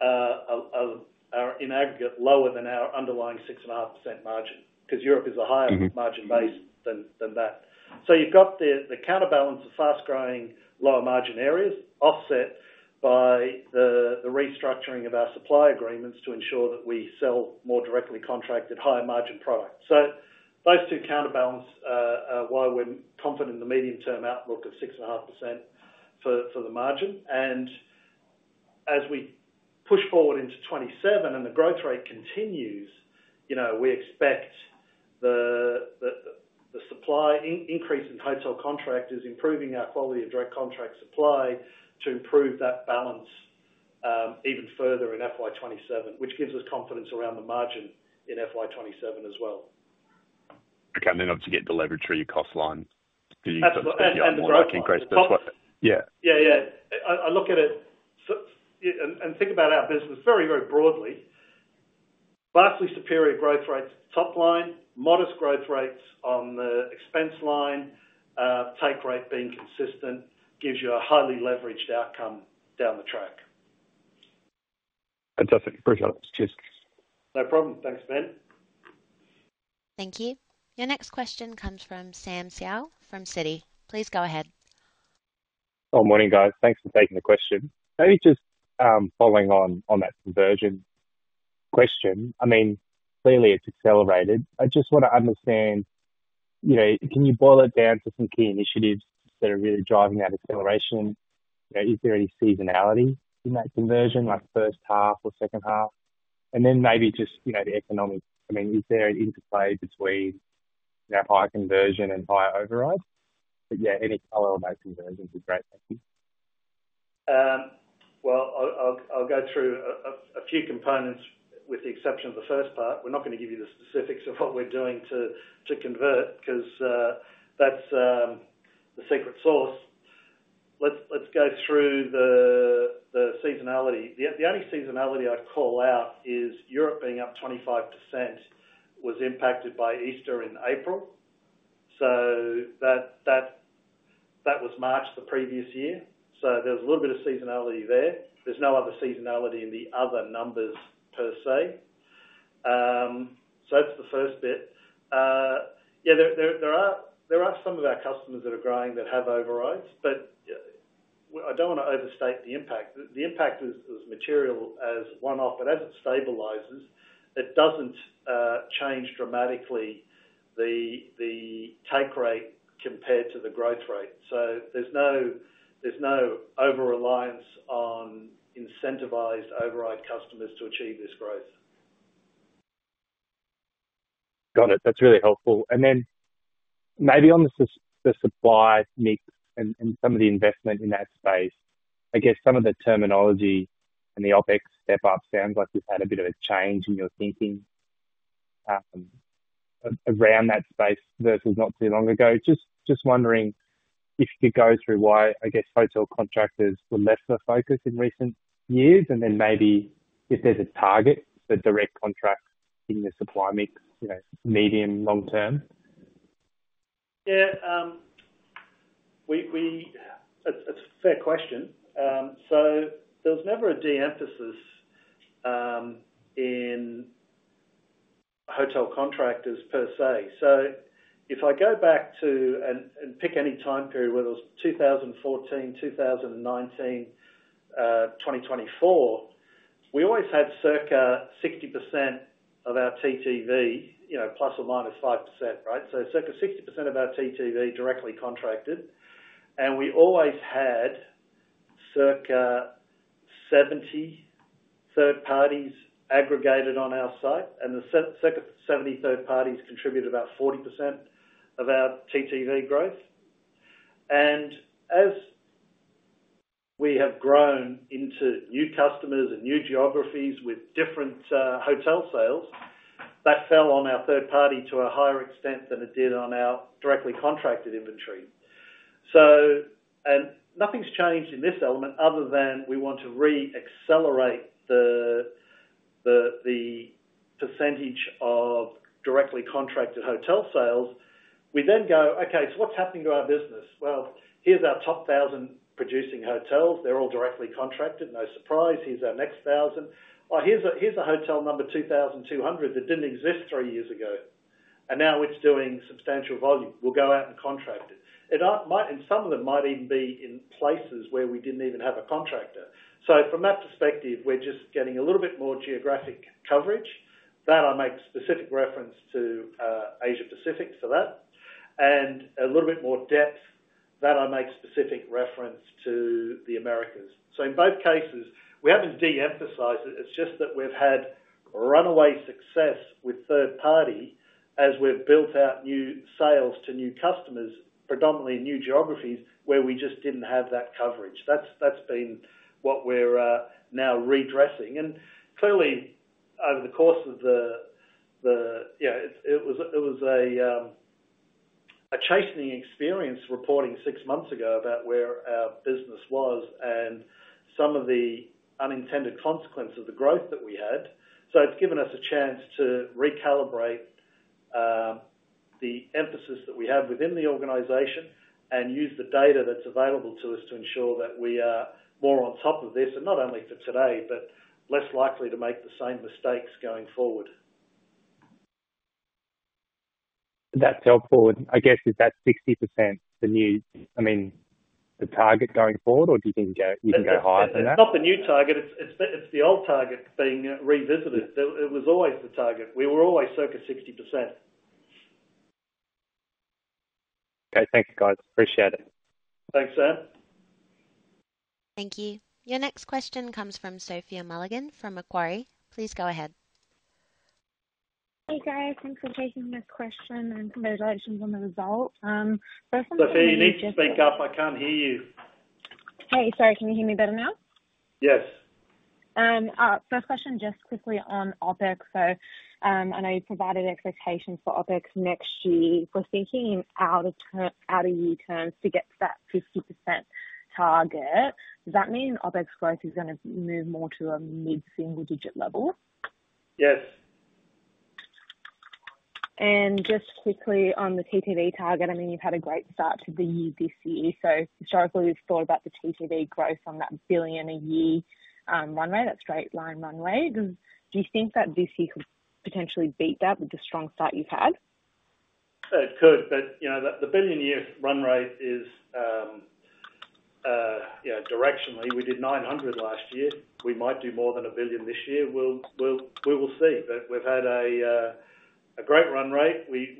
are in aggregate lower than our underlying 6.5% margin because Europe is a higher margin base than that. You have the counterbalance of fast-growing lower margin areas offset by the restructuring of our supply agreements to ensure that we sell more directly contracted higher margin products. Those two counterbalance why we are confident in the medium-term outlook of 6.5% for the margin. As we push forward into 2027 and the growth rate continues, we expect the supply increase in hotel contractors improving our quality of direct contract supply to improve that balance even further in FY 2027, which gives us confidence around the margin in FY 2027 as well. Okay. And then obviously get the leverage through your cost line because you've got the market increase. That's what. Yeah. Yeah, yeah. I look at it and think about our business very, very broadly. Vastly superior growth rates top line, modest growth rates on the expense line, take rate being consistent gives you a highly leveraged outcome down the track. Fantastic. Appreciate it. Cheers. No problem. Thanks, Ben. Thank you. Your next question comes from Sam Seow from Citi. Please go ahead. Good morning, guys. Thanks for taking the question. Maybe just following on that conversion question. I mean, clearly, it's accelerated. I just want to understand, can you boil it down to some key initiatives that are really driving that acceleration? Is there any seasonality in that conversion, like first half or second half? And then maybe just the economic. I mean, is there an interplay between higher conversion and higher override? Yeah, any color on that conversion would be great. I'll go through a few components with the exception of the first part. We're not going to give you the specifics of what we're doing to convert because that's the secret sauce. Let's go through the seasonality. The only seasonality I call out is Europe being up 25% was impacted by Easter in April. That was March the previous year. There was a little bit of seasonality there. There's no other seasonality in the other numbers per se. That's the first bit. Yeah, there are some of our customers that are growing that have overrides, but I don't want to overstate the impact. The impact is material as one-off, but as it stabilizes, it does not change dramatically the take rate compared to the growth rate. There is no overreliance on incentivized override customers to achieve this growth. Got it. That is really helpful. Maybe on the supply mix and some of the investment in that space, I guess some of the terminology and the OpEx step-up sounds like we have had a bit of a change in your thinking around that space versus not too long ago. Just wondering if you could go through why, I guess, hotel contractors were less of a focus in recent years, and then maybe if there is a target for direct contract in the supply mix, medium, long term. Yeah. It is a fair question. There was never a de-emphasis in hotel contractors per se. If I go back to and pick any time period, whether it was 2014, 2019, 2024, we always had circa 60% of our TTV, ±5%, right? Circa 60% of our TTV directly contracted. We always had circa 70 third parties aggregated on our site, and the circa 70 third parties contributed about 40% of our TTV growth. As we have grown into new customers and new geographies with different hotel sales, that fell on our third party to a higher extent than it did on our directly contracted inventory. Nothing's changed in this element other than we want to re-accelerate the percentage of directly contracted hotel sales. We then go, "Okay, so what's happening to our business?" Here's our top 1,000 producing hotels. They're all directly contracted. No surprise. Here's our next 1,000. Here's a hotel number, 2,200 that didn't exist three years ago. Now it's doing substantial volume. We'll go out and contract it. Some of them might even be in places where we didn't even have a contractor. From that perspective, we're just getting a little bit more geographic coverage. I make specific reference to Asia-Pacific for that. A little bit more depth, I make specific reference to the Americas. In both cases, we haven't de-emphasized it. It's just that we've had runaway success with third party as we've built out new sales to new customers, predominantly in new geographies where we just didn't have that coverage. That's been what we're now redressing. Clearly, over the course of the year, it was a chastening experience reporting six months ago about where our business was and some of the unintended consequences of the growth that we had. It has given us a chance to recalibrate the emphasis that we have within the organization and use the data that is available to us to ensure that we are more on top of this, and not only for today, but less likely to make the same mistakes going forward. That is helpful. I guess, is that 60% the new, I mean, the target going forward, or do you think you can go higher than that? It is not the new target. It is the old target being revisited. It was always the target. We were always circa 60%. Okay. Thank you, guys. Appreciate it. Thanks, Sam. Thank you. Your next question comes from Sophia Mulligan from Macquarie. Please go ahead. Hey, guys. Thanks for taking this question and congratulations on the result. First question. Sophia, you need to speak up. I can't hear you. Hey, sorry. Can you hear me better now? Yes. First question, just quickly on OpEx. I know you provided expectations for OpEx next year. We're thinking in out-of-year terms to get to that 50% target. Does that mean OpEx growth is going to move more to a mid-single-digit level? Yes. Just quickly on the TTV target, I mean, you've had a great start to the year this year. Historically, we've thought about the TTV growth on that billion-a-year runway, that straight-line runway. Do you think that this year could potentially beat that with the strong start you've had? It could. The billion-a-year run rate is directionally. We did 900 last year. We might do more than a billion this year. We will see. We have had a great run rate. I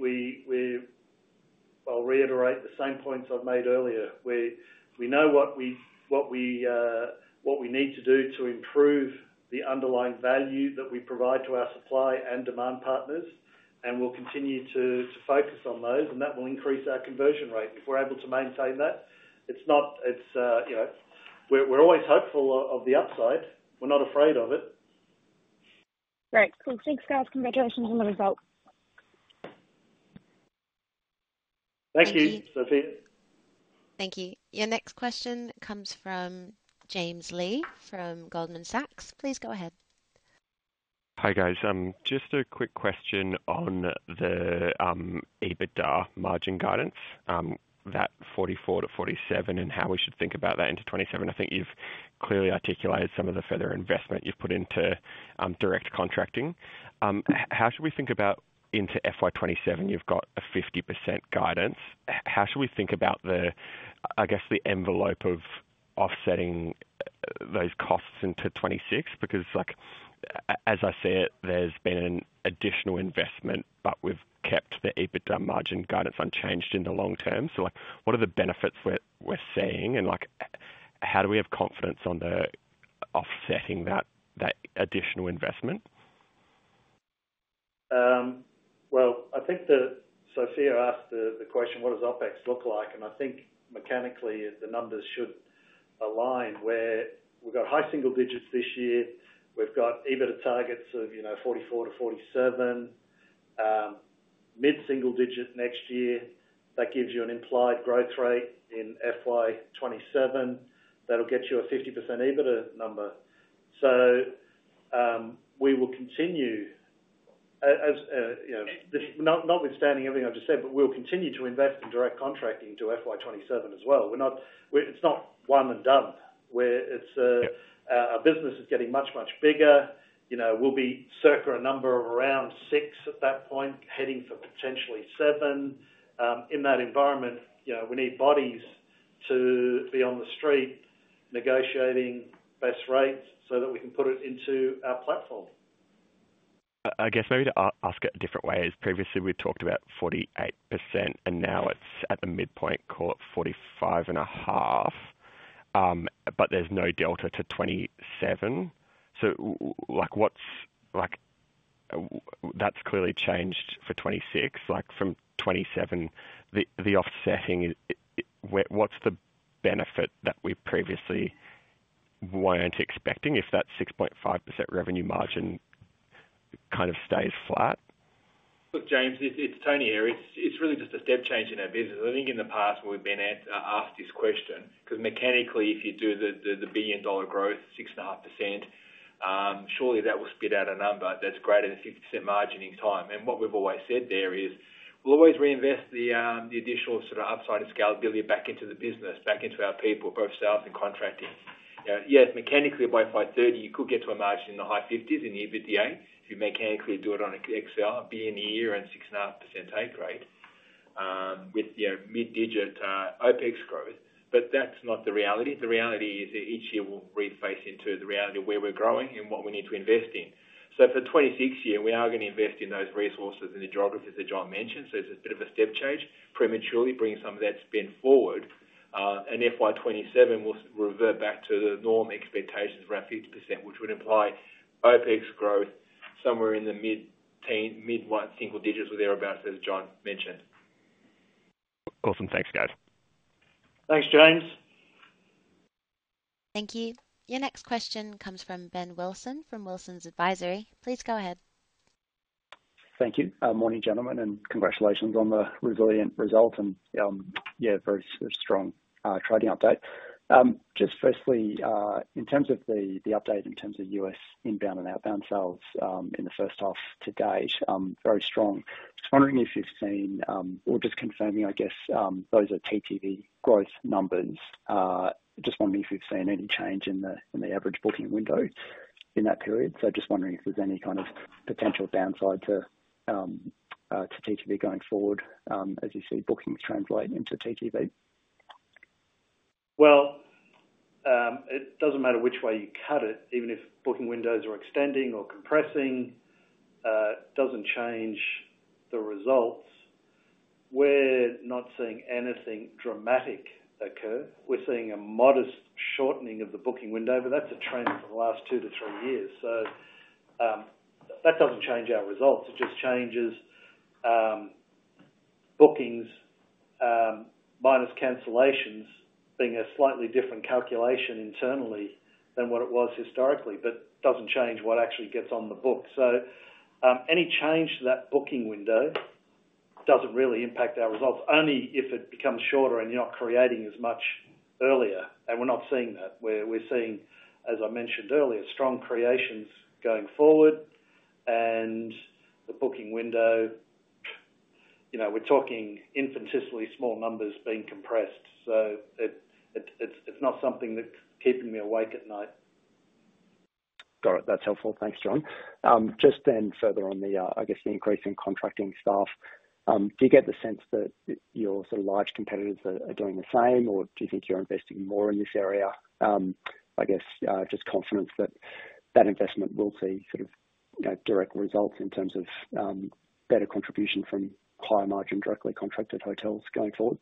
will reiterate the same points I have made earlier. We know what we need to do to improve the underlying value that we provide to our supply and demand partners, and we will continue to focus on those. That will increase our conversion rate. If we are able to maintain that, it is not we are always hopeful of the upside. We are not afraid of it. Great. Cool. Thanks, guys. Congratulations on the result. Thank you, Sophia. Thank you. Your next question comes from James Lee from Goldman Sachs. Please go ahead. Hi, guys. Just a quick question on the EBITDA margin guidance, that 44%-47%, and how we should think about that into 2027. I think you have clearly articulated some of the further investment you have put into direct contracting. How should we think about into FY 2027? You've got a 50% guidance. How should we think about, I guess, the envelope of offsetting those costs into 2026? Because as I say, there's been an additional investment, but we've kept the EBITDA margin guidance unchanged in the long term. What are the benefits we're seeing, and how do we have confidence on offsetting that additional investment? I think Sophia asked the question, "What does OpEx look like?" I think mechanically, the numbers should align. We've got high single digits this year. We've got EBITDA targets of 44-47, mid-single digit next year. That gives you an implied growth rate in FY 2027. That'll get you a 50% EBITDA number. We will continue, notwithstanding everything I've just said, we'll continue to invest in direct contracting to FY 2027 as well. It's not one and done. Our business is getting much, much bigger. We'll be circa a number of around six at that point, heading for potentially seven. In that environment, we need bodies to be on the street negotiating best rates so that we can put it into our platform. I guess maybe to ask it a different way. Previously, we've talked about 48%, and now it's at the midpoint, call it 45.5%, but there's no delta to 2027. That has clearly changed for 2026. From 2027, the offsetting, what's the benefit that we previously weren't expecting if that 6.5% revenue margin kind of stays flat? Look, James, it's Tony here. It's really just a step change in our business. I think in the past, we've been asked this question because mechanically, if you do the billion-dollar growth, 6.5%, surely that will spit out a number that's greater than 50% margin in time. What we have always said there is we will always reinvest the additional sort of upside of scalability back into the business, back into our people, both sales and contracting. Yes, mechanically, by 2030, you could get to a margin in the high 50% in EBITDA if you mechanically do it on an XR, $1 billion a year and 6.5% take rate with mid-digit OpEx growth. That is not the reality. The reality is that each year we will reface into the reality of where we are growing and what we need to invest in. For the 2026 year, we are going to invest in those resources in the geographies that John mentioned. It is a bit of a step change, prematurely bringing some of that spend forward. FY 2027, we'll revert back to the normal expectations of around 50%, which would imply OpEx growth somewhere in the mid-single digits or thereabouts, as John mentioned. Awesome. Thanks, guys. Thanks, James. Thank you. Your next question comes from Ben Wilson from Wilson's Advisory. Please go ahead. Thank you. Morning, gentlemen, and congratulations on the resilient result and, yeah, very strong trading update. Just firstly, in terms of the update in terms of U.S. inbound and outbound sales in the first half to date, very strong. Just wondering if you've seen, or just confirming, I guess, those are TTV growth numbers. Just wondering if you've seen any change in the average booking window in that period. Just wondering if there's any kind of potential downside to TTV going forward as you see bookings translate into TTV. It doesn't matter which way you cut it. Even if booking windows are extending or compressing, it doesn't change the results. We're not seeing anything dramatic occur. We're seeing a modest shortening of the booking window, but that's a trend for the last two to three years. That doesn't change our results. It just changes bookings minus cancellations being a slightly different calculation internally than what it was historically, but doesn't change what actually gets on the book. Any change to that booking window doesn't really impact our results, only if it becomes shorter and you're not creating as much earlier. We're not seeing that. We're seeing, as I mentioned earlier, strong creations going forward. The booking window, we're talking infinitesimally small numbers being compressed. It's not something that's keeping me awake at night. Got it. That's helpful. Thanks, John. Just then further on the, I guess, the increase in contracting staff, do you get the sense that your sort of large competitors are doing the same, or do you think you're investing more in this area? I guess just confidence that that investment will see sort of direct results in terms of better contribution from higher margin directly contracted hotels going forward.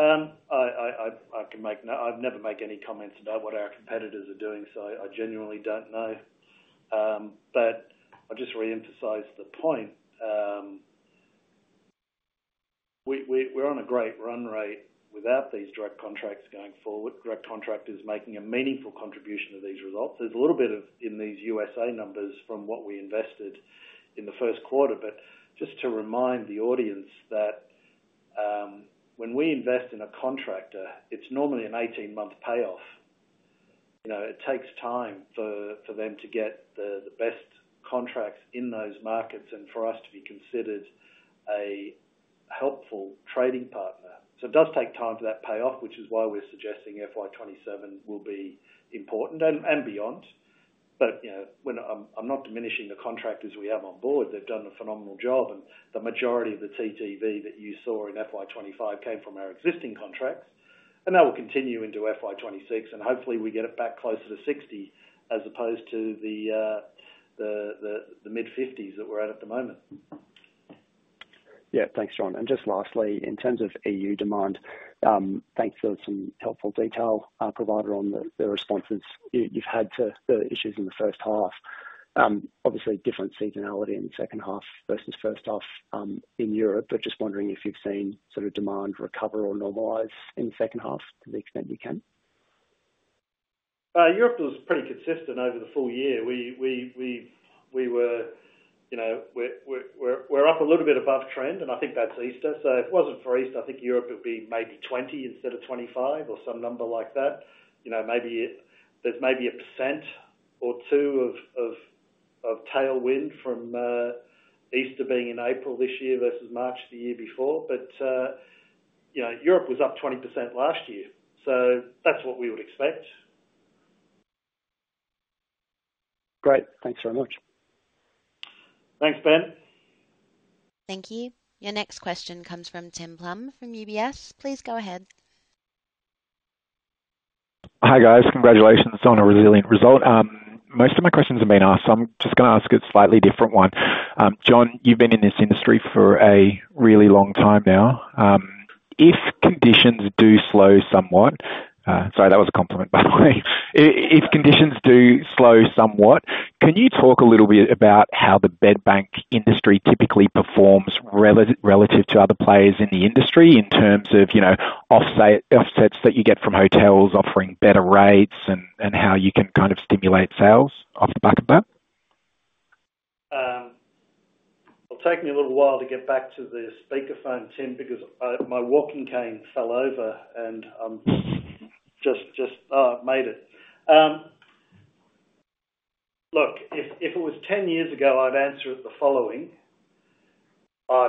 I can make note. I've never made any comments about what our competitors are doing, so I genuinely don't know. I'll just re-emphasize the point. We're on a great run rate without these direct contracts going forward. Direct contractors making a meaningful contribution to these results. There's a little bit in these U.S. numbers from what we invested in the first quarter, but just to remind the audience that when we invest in a contractor, it's normally an 18-month payoff. It takes time for them to get the best contracts in those markets and for us to be considered a helpful trading partner. It does take time for that payoff, which is why we're suggesting FY 2027 will be important and beyond. I'm not diminishing the contractors we have on board. They've done a phenomenal job. The majority of the TTV that you saw in FY 2025 came from our existing contracts. That will continue into FY 2026. Hopefully, we get it back closer to 60% as opposed to the mid-50% that we're at at the moment. Yeah. Thanks, John. Just lastly, in terms of EU demand, thanks for some helpful detail provided on the responses you've had to the issues in the first half. Obviously, different seasonality in the second half versus first half in Europe, but just wondering if you've seen sort of demand recover or normalize in the second half to the extent you can. Europe was pretty consistent over the full year. We were up a little bit above trend, and I think that's Easter. If it wasn't for Easter, I think Europe would be maybe 20 instead of 25 or some number like that. There's maybe a percent or two of tailwind from Easter being in April this year versus March the year before. Europe was up 20% last year. That's what we would expect. Great. Thanks very much. Thanks, Ben. Thank you. Your next question comes from Tim Plumbe from UBS. Please go ahead. Hi, guys. Congratulations on a resilient result. Most of my questions have been asked, so I'm just going to ask a slightly different one. John, you've been in this industry for a really long time now. If conditions do slow somewhat—sorry, that was a compliment, by the way—if conditions do slow somewhat, can you talk a little bit about how the bedbank industry typically performs relative to other players in the industry in terms of offsets that you get from hotels offering better rates and how you can kind of stimulate sales off the bucket-bump? It'll take me a little while to get back to the speakerphone, Tim, because my walking cane fell over, and I'm just—oh, I've made it. Look, if it was 10 years ago, I'd answer it the following.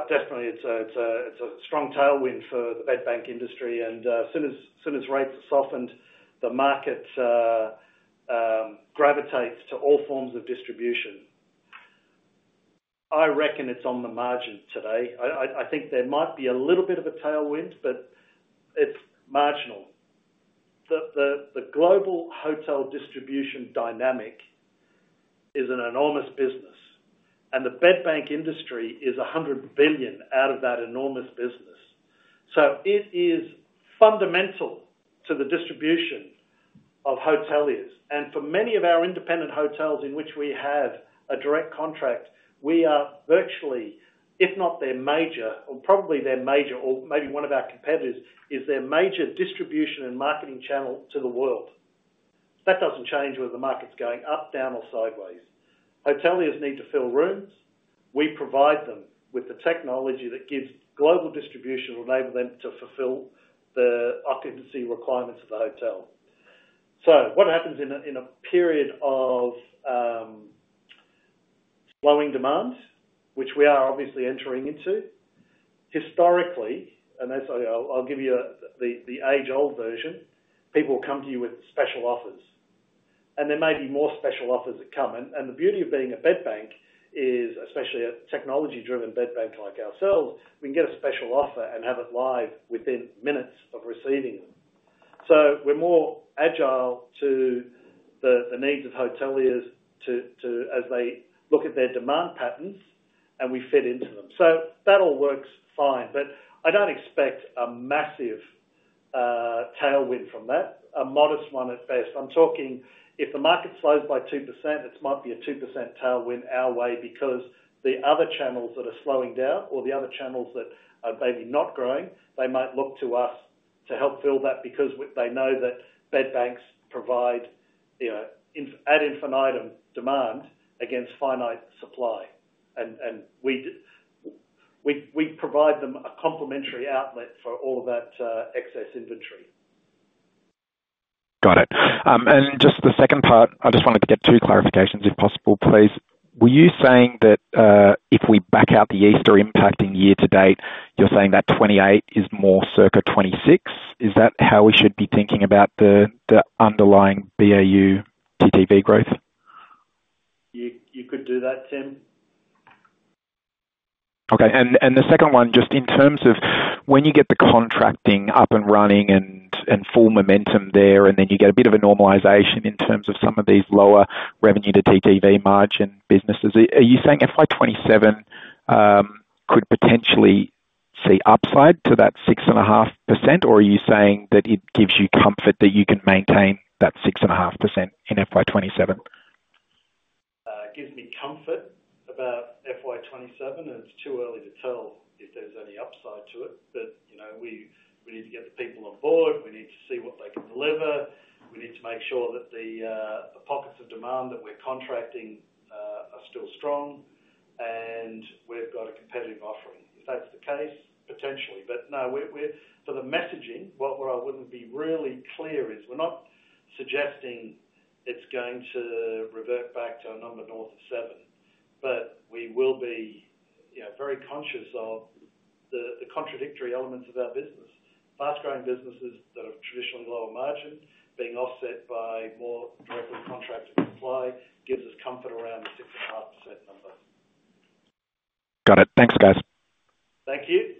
Definitely, it's a strong tailwind for the bedbank industry. As soon as rates are softened, the market gravitates to all forms of distribution. I reckon it's on the margin today. I think there might be a little bit of a tailwind, but it's marginal. The global hotel distribution dynamic is an enormous business. The bedbank industry is $100 billion out of that enormous business. It is fundamental to the distribution of hoteliers. For many of our independent hotels in which we have a direct contract, we are virtually, if not their major, or probably their major, or maybe one of our competitors is their major distribution and marketing channel to the world. That does not change whether the market's going up, down, or sideways. Hoteliers need to fill rooms. We provide them with the technology that gives global distribution to enable them to fulfill the occupancy requirements of the hotel. What happens in a period of slowing demand, which we are obviously entering into? Historically, and I'll give you the age-old version, people will come to you with special offers. There may be more special offers that come. The beauty of being a bedbank is, especially a technology-driven bedbank like ourselves, we can get a special offer and have it live within minutes of receiving them. We are more agile to the needs of hoteliers as they look at their demand patterns, and we fit into them. That all works fine. I do not expect a massive tailwind from that, a modest one at best. I'm talking if the market slows by 2%, it might be a 2% tailwind our way because the other channels that are slowing down or the other channels that are maybe not growing, they might look to us to help fill that because they know that bedbanks provide ad infinitum demand against finite supply. We provide them a complementary outlet for all of that excess inventory. Got it. Just the second part, I just wanted to get two clarifications if possible, please. Were you saying that if we back out the Easter impacting year to date, you're saying that 2028 is more circa 2026? Is that how we should be thinking about the underlying BAU TTV growth? You could do that, Tim. Okay. The second one, just in terms of when you get the contracting up and running and full momentum there, and then you get a bit of a normalization in terms of some of these lower revenue to TTV margin businesses, are you saying FY 2027 could potentially see upside to that 6.5%, or are you saying that it gives you comfort that you can maintain that 6.5% in FY 2027? It gives me comfort about FY 2027, and it's too early to tell if there's any upside to it. We need to get the people on board. We need to see what they can deliver. We need to make sure that the pockets of demand that we're contracting are still strong, and we've got a competitive offering. If that's the case, potentially. No, for the messaging, what I want to be really clear is we're not suggesting it's going to revert back to a number north of seven, but we will be very conscious of the contradictory elements of our business. Fast-growing businesses that are traditionally lower margin being offset by more directly contracted supply gives us comfort around the 6.5% number. Got it. Thanks, guys. Thank you.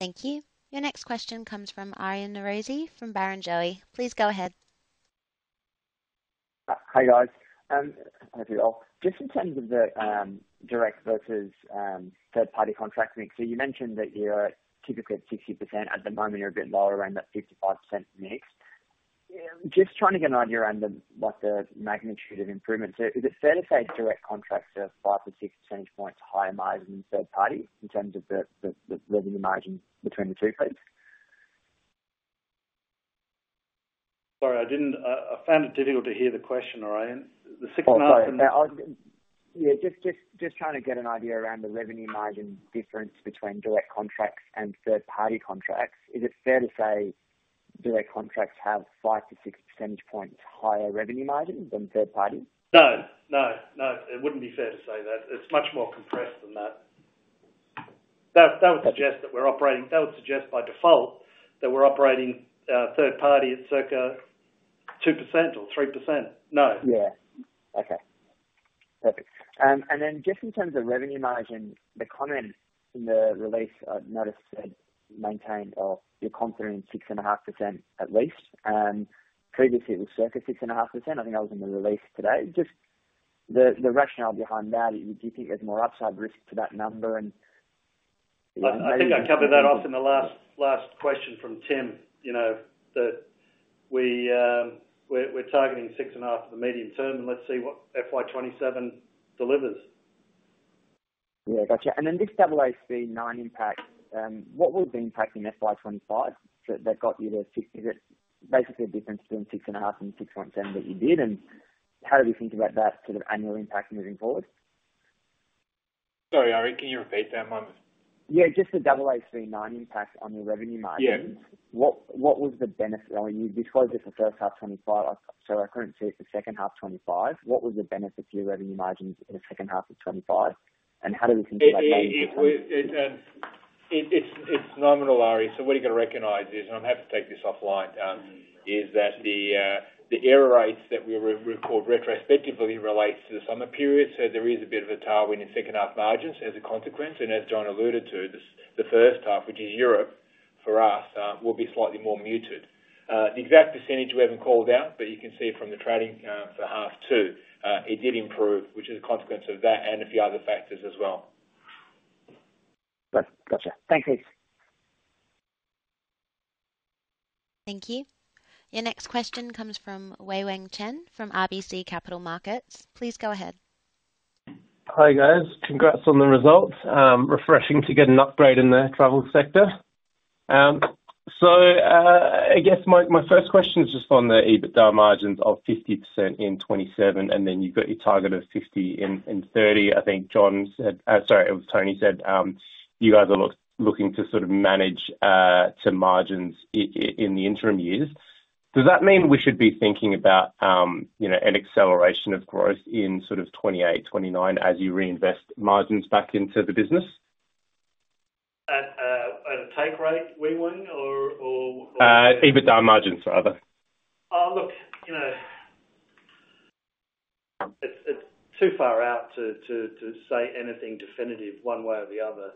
Thank you. Your next question comes from Aryan Norozi from Barangeli. Please go ahead. Hi, guys. Hi, to you all. Just in terms of the direct versus third-party contract mix, so you mentioned that you're typically at 60%. At the moment, you're a bit lower, around that 55% mix. Just trying to get an idea around the magnitude of improvement. Is it fair to say direct contracts are 5-6 percentage points higher margin than third-party in terms of the revenue margin between the two, please? Sorry, I found it difficult to hear the question, Aryan. The 6.5%. Yeah. Just trying to get an idea around the revenue margin difference between direct contracts and third-party contracts. Is it fair to say direct contracts have 5-6 percentage points. Higher revenue margin than third-party? No. No. No. It would not be fair to say that. It is much more compressed than that. That would suggest that we are operating, that would suggest by default that we are operating third-party at circa 2% or 3%. No. Yeah. Okay. Perfect. In terms of revenue margin, the comment in the release notice said maintained or you are confident in 6.5% at least. Previously, it was circa 6.5%. I think I was in the release today. Just the rationale behind that, do you think there's more upside risk to that number? Maybe. I think I covered that off in the last question from Tim, that we're targeting 6.5% for the medium term, and let's see what FY 2027 delivers. Yeah. Gotcha. Then this AAAC 9 impact, what was the impact in FY 2025 that got you to 6%? Is it basically a difference between 6.5% and 6.7% that you did? How do we think about that sort of annual impact moving forward? Sorry, Aryan. Can you repeat that? Yeah. Just the AAAC 9 impact on your revenue margins. What was the benefit? This was just the first half 2025, so I couldn't see it for second half 2025. What was the benefit to your revenue margins in the second half of 2025? How do we think about that? It's nominal, Aryan. What you've got to recognize is, and I'm happy to take this offline, is that the error rates that we record retrospectively relate to the summer period. There is a bit of a tailwind in second-half margins as a consequence. As John alluded to, the first half, which is Europe for us, will be slightly more muted. The exact percentage we haven't called out, but you can see from the trading for half two, it did improve, which is a consequence of that and a few other factors as well. Gotcha. Thanks, guys. Thank you. Your next question comes from Wei-Weng Chen from RBC Capital Markets. Please go ahead. Hi, guys. Congrats on the results. Refreshing to get an upgrade in the travel sector. I guess my first question is just on the EBITDA margins of 50% in 2027, and then you've got your target of 50% in 2030. I think John said—sorry, it was Tony said—you guys are looking to sort of manage to margins in the interim years. Does that mean we should be thinking about an acceleration of growth in 2028-2029 as you reinvest margins back into the business? At a take rate, Wei Wang, or? EBITDA margins rather. Look, it's too far out to say anything definitive one way or the other.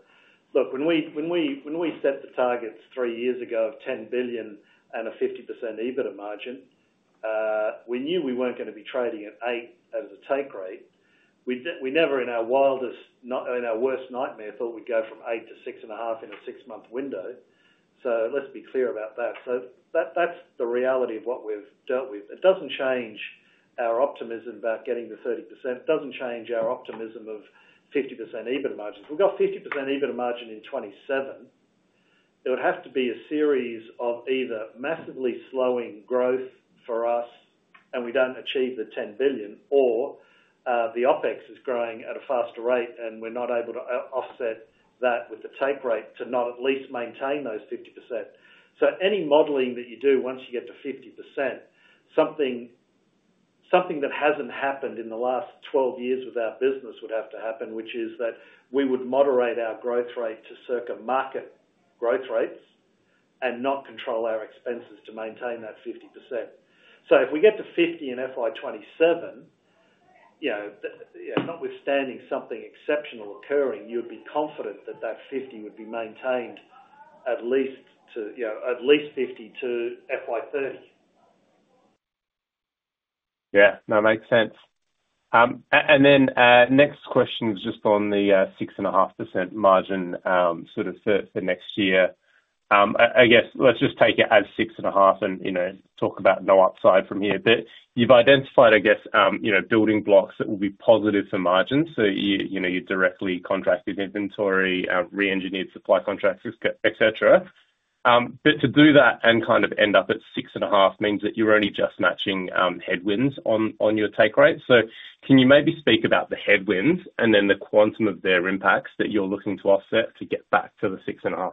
Look, when we set the targets three years ago of $10 billion and a 50% EBITDA margin, we knew we weren't going to be trading at 8% as a take rate. We never, in our wildest, in our worst nightmare, thought we'd go from 8%-6.5% in a six-month window. Let's be clear about that. That's the reality of what we've dealt with. It doesn't change our optimism about getting the 30%. It doesn't change our optimism of 50% EBITDA margins. If we've got 50% EBITDA margin in 2027, it would have to be a series of either massively slowing growth for us and we don't achieve the $10 billion, or the OpEx is growing at a faster rate and we're not able to offset that with the take rate to not at least maintain those 50%. Any modeling that you do once you get to 50%, something that hasn't happened in the last 12 years with our business would have to happen, which is that we would moderate our growth rate to circa market growth rates and not control our expenses to maintain that 50%. If we get to 50 in FY 2027, notwithstanding something exceptional occurring, you would be confident that that 50 would be maintained at least to at least 50 to FY 2030. Yeah. That makes sense. The next question is just on the 6.5% margin sort of for next year. I guess let's just take it as 6.5% and talk about no upside from here. You have identified, I guess, building blocks that will be positive for margins. You have directly contracted inventory, re-engineered supply contracts, etc. To do that and kind of end up at 6.5% means that you are only just matching headwinds on your take rate. Can you maybe speak about the headwinds and then the quantum of their impacts that you are looking to offset to get back to the 6.5%?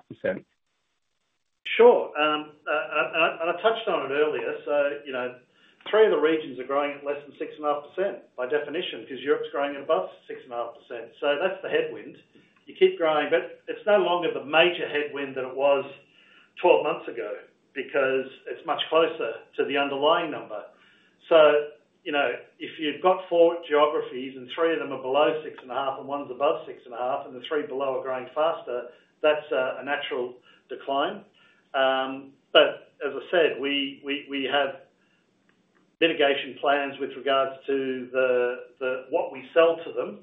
Sure. I touched on it earlier. Three of the regions are growing at less than 6.5% by definition because Europe is growing at above 6.5%. That is the headwind. You keep growing, but it is no longer the major headwind that it was 12 months ago because it is much closer to the underlying number. If you have four geographies and three of them are below 6.5% and one is above 6.5%, and the three below are growing faster, that is a natural decline. As I said, we have mitigation plans with regards to what we sell to them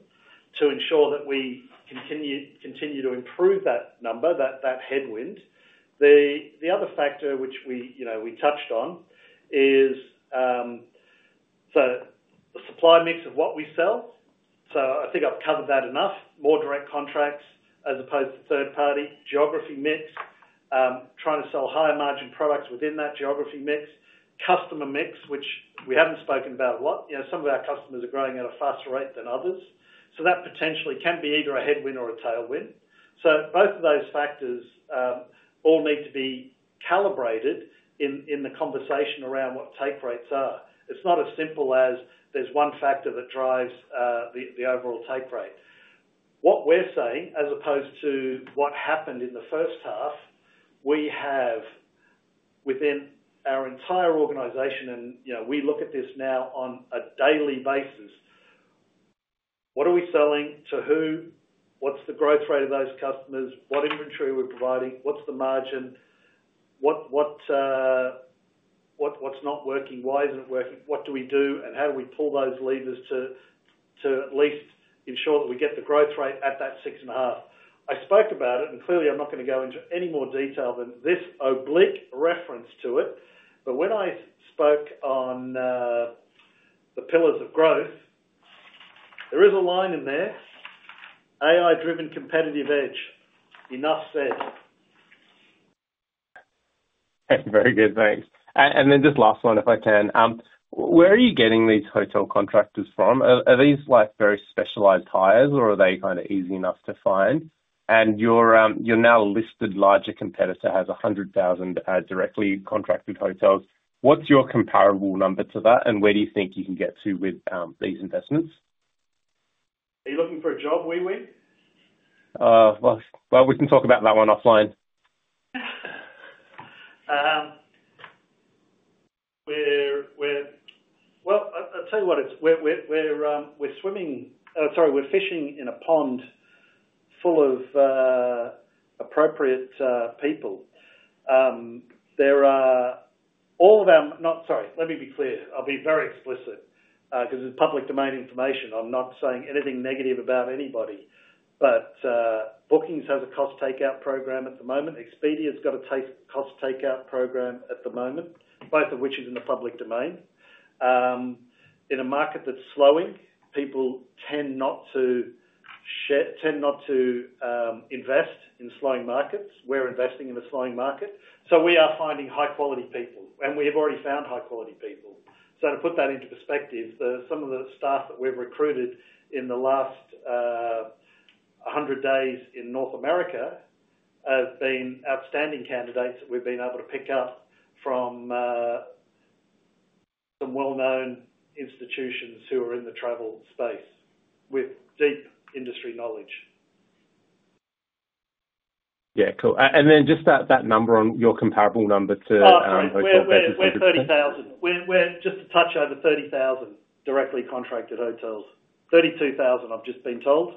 to ensure that we continue to improve that number, that headwind. The other factor which we touched on is the supply mix of what we sell. I think I have covered that enough. More direct contracts as opposed to third-party geography mix, trying to sell higher margin products within that geography mix, customer mix, which we have not spoken about a lot. Some of our customers are growing at a faster rate than others. That potentially can be either a headwind or a tailwind. Both of those factors all need to be calibrated in the conversation around what take rates are. It is not as simple as there is one factor that drives the overall take rate. What we are saying, as opposed to what happened in the first half, we have within our entire organization, and we look at this now on a daily basis. What are we selling to who? What is the growth rate of those customers? What inventory are we providing? What is the margin? What is not working? Why is it not working? What do we do? How do we pull those levers to at least ensure that we get the growth rate at that 6.5%? I spoke about it, and clearly, I'm not going to go into any more detail than this oblique reference to it. When I spoke on the pillars of growth, there is a line in there, AI-driven competitive edge. Enough said. Very good. Thanks. Just last one, if I can. Where are you getting these hotel contractors from? Are these very specialized hires, or are they kind of easy enough to find? Your now listed larger competitor has 100,000 directly contracted hotels. What's your comparable number to that, and where do you think you can get to with these investments? Are you looking for a job, Wei Wei? We can talk about that one offline. I'll tell you what. We're fishing in a pond full of appropriate people. All of our—sorry, let me be clear. I'll be very explicit because it's public domain information. I'm not saying anything negative about anybody. Bookings has a cost takeout program at the moment. Expedia's got a cost takeout program at the moment, both of which are in the public domain. In a market that's slowing, people tend not to invest in slowing markets. We're investing in a slowing market. We are finding high-quality people, and we have already found high-quality people. To put that into perspective, some of the staff that we've recruited in the last 100 days in North America have been outstanding candidates that we've been able to pick up from some well-known institutions who are in the travel space with deep industry knowledge. Yeah. Cool. Just that number on your comparable number to hotel contractors. We're 30,000. We're just a touch over 30,000 directly contracted hotels. 32,000, I've just been told.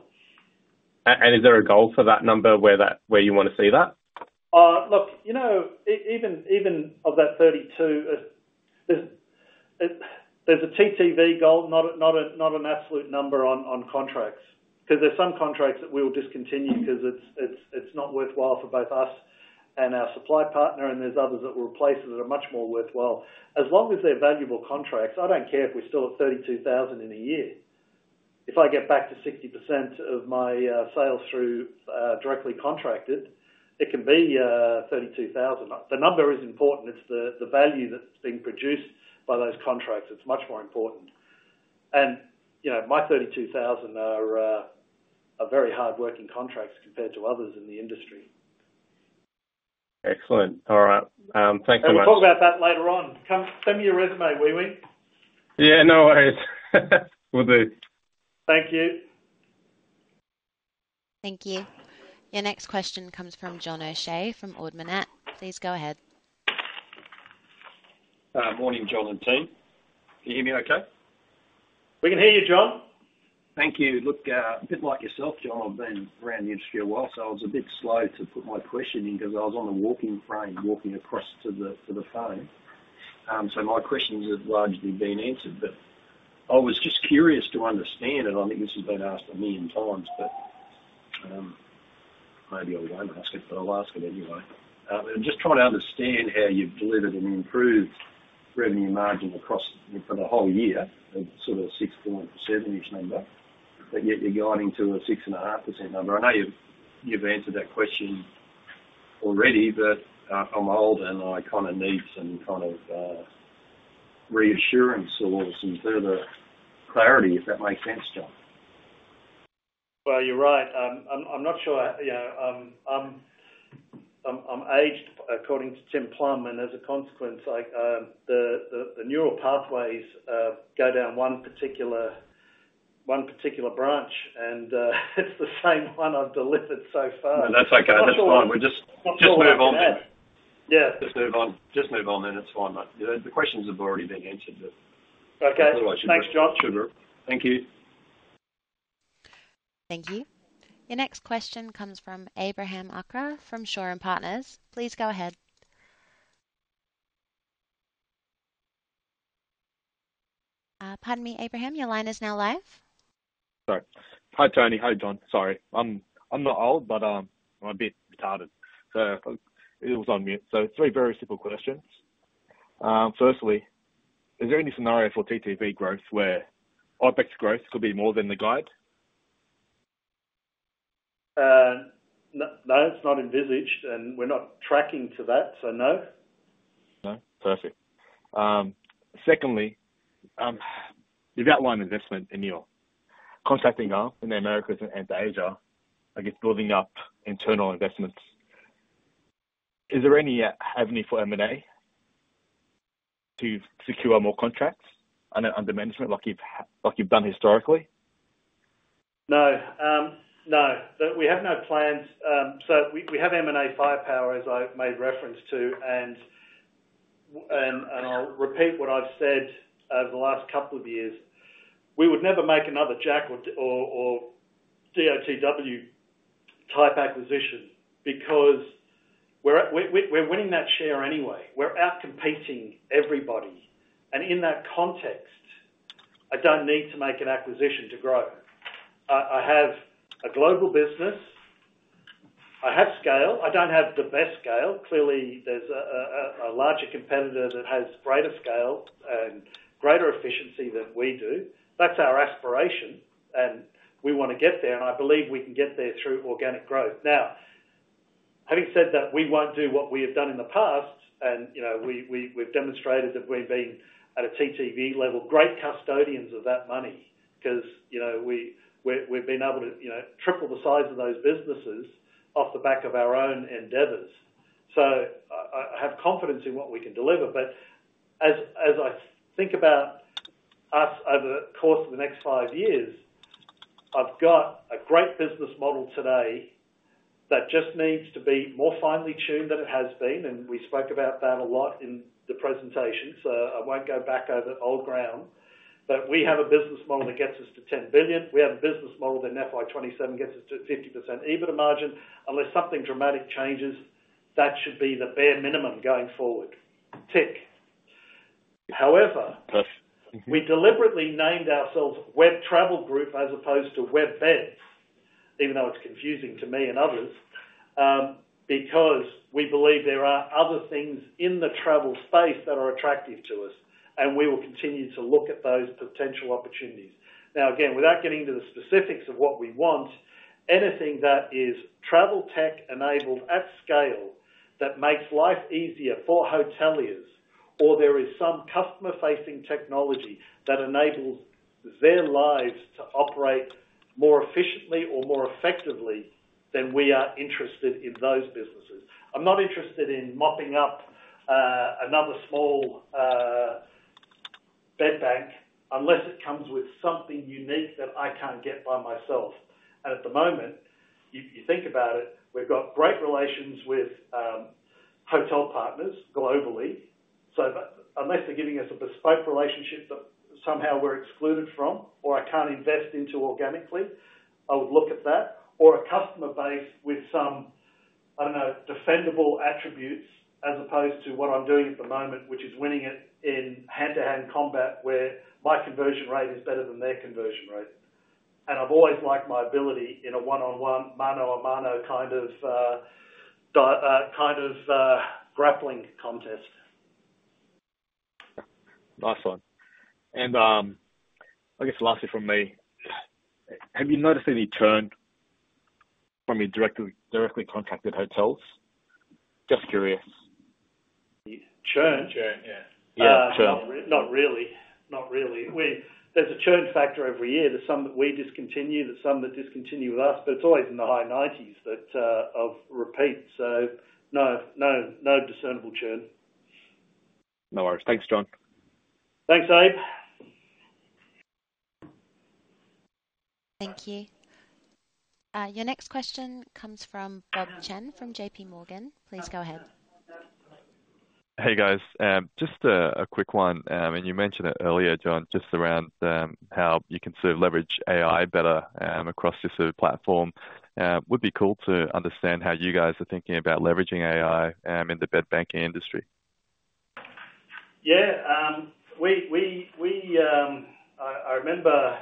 Is there a goal for that number where you want to see that? Look, even of that 32, there's a TTV goal, not an absolute number on contracts. Because there are some contracts that we will discontinue because it's not worthwhile for both us and our supply partner, and there's others that will replace us that are much more worthwhile. As long as they're valuable contracts, I don't care if we're still at 32,000 in a year. If I get back to 60% of my sales through directly contracted, it can be 32,000. The number is important. It's the value that's being produced by those contracts. It's much more important. My 32,000 are very hardworking contracts compared to others in the industry. Excellent. All right. Thanks so much. We'll talk about that later on. Send me your resume, Wei-Weng? Yeah. No worries. Will do. Thank you. Thank you. Your next question comes from John O'Shea from Ord Minnett. Please go ahead. Morning, John and team. Can you hear me okay? We can hear you, John. Thank you. Look, a bit like yourself, John. I've been around the industry a while, so I was a bit slow to put my question in because I was on the walking frame walking across to the phone. My questions have largely been answered, but I was just curious to understand it. I think this has been asked a million times, but maybe I won't ask it, but I'll ask it anyway. I'm just trying to understand how you've delivered an improved revenue margin across for the whole year, sort of a 6.7% number, but yet you're guiding to a 6.5% number. I know you've answered that question already, but I'm old and I kind of need some kind of reassurance or some further clarity, if that makes sense, John. You're right. I'm not sure. I'm aged according to Tim Plumbe, and as a consequence, the neural pathways go down one particular branch, and it's the same one I've delivered so far. That's okay. That's fine. We'll just move on then. Yeah. Just move on. Just move on then. It's fine. The questions have already been answered, but otherwise, you're good. Thanks, John. Thank you. Thank you. Your next question comes from Abraham Akra from Shore & Partners. Please go ahead. Pardon me, Abraham, your line is now live. Sorry. Hi, Tony. Hi, John. Sorry. I'm not old, but I'm a bit retarded. It was on mute. Three very simple questions. Firstly, is there any scenario for TTV growth where OpEx growth could be more than the guide? No, it's not envisaged, and we're not tracking to that, so no. No? Perfect. Secondly, you've outlined investment in your contracting arm in the Americas and Asia, I guess building up internal investments. Is there any avenue for M&A to secure more contracts under management like you've done historically? No. No. We have no plans. We have M&A firepower, as I've made reference to, and I'll repeat what I've said over the last couple of years. We would never make another Jack or DOTW-type acquisition because we're winning that share anyway. We're outcompeting everybody. In that context, I don't need to make an acquisition to grow. I have a global business. I have scale. I do not have the best scale. Clearly, there is a larger competitor that has greater scale and greater efficiency than we do. That is our aspiration, and we want to get there, and I believe we can get there through organic growth. Now, having said that, we will not do what we have done in the past, and we have demonstrated that we have been, at a TTV level, great custodians of that money because we have been able to triple the size of those businesses off the back of our own endeavors. I have confidence in what we can deliver. As I think about us over the course of the next five years, I've got a great business model today that just needs to be more finely tuned than it has been, and we spoke about that a lot in the presentation, so I won't go back over old ground. We have a business model that gets us to $10 billion. We have a business model that in FY 2027 gets us to 50% EBITDA margin. Unless something dramatic changes, that should be the bare minimum going forward. Tick. However, we deliberately named ourselves Web Travel Group as opposed to WebBeds, even though it's confusing to me and others, because we believe there are other things in the travel space that are attractive to us, and we will continue to look at those potential opportunities. Now, again, without getting into the specifics of what we want, anything that is travel tech enabled at scale that makes life easier for hoteliers, or there is some customer-facing technology that enables their lives to operate more efficiently or more effectively, then we are interested in those businesses. I'm not interested in mopping up another small bedbank unless it comes with something unique that I can't get by myself. At the moment, you think about it, we've got great relations with hotel partners globally. Unless they're giving us a bespoke relationship that somehow we're excluded from, or I can't invest into organically, I would look at that. Or a customer base with some, I don't know, defendable attributes as opposed to what I'm doing at the moment, which is winning it in hand-to-hand combat where my conversion rate is better than their conversion rate. I've always liked my ability in a one-on-one mano a mano kind of grappling contest. Nice one. I guess lastly from me, have you noticed any churn from your directly contracted hotels? Just curious. Churn? Churn, yeah. Yeah, churn. Not really. Not really. There's a churn factor every year. There's some that we discontinue, there's some that discontinue with us, but it's always in the high 90% of repeat. No discernible churn. No worries. Thanks, John. Thanks, Abe. Thank you. Your next question comes from Bob Chen from JP Morgan. Please go ahead. Hey, guys. Just a quick one. You mentioned it earlier, John, just around how you can sort of leverage AI better across your sort of platform. Would be cool to understand how you guys are thinking about leveraging AI in the bedbanking industry. Yeah. I remember,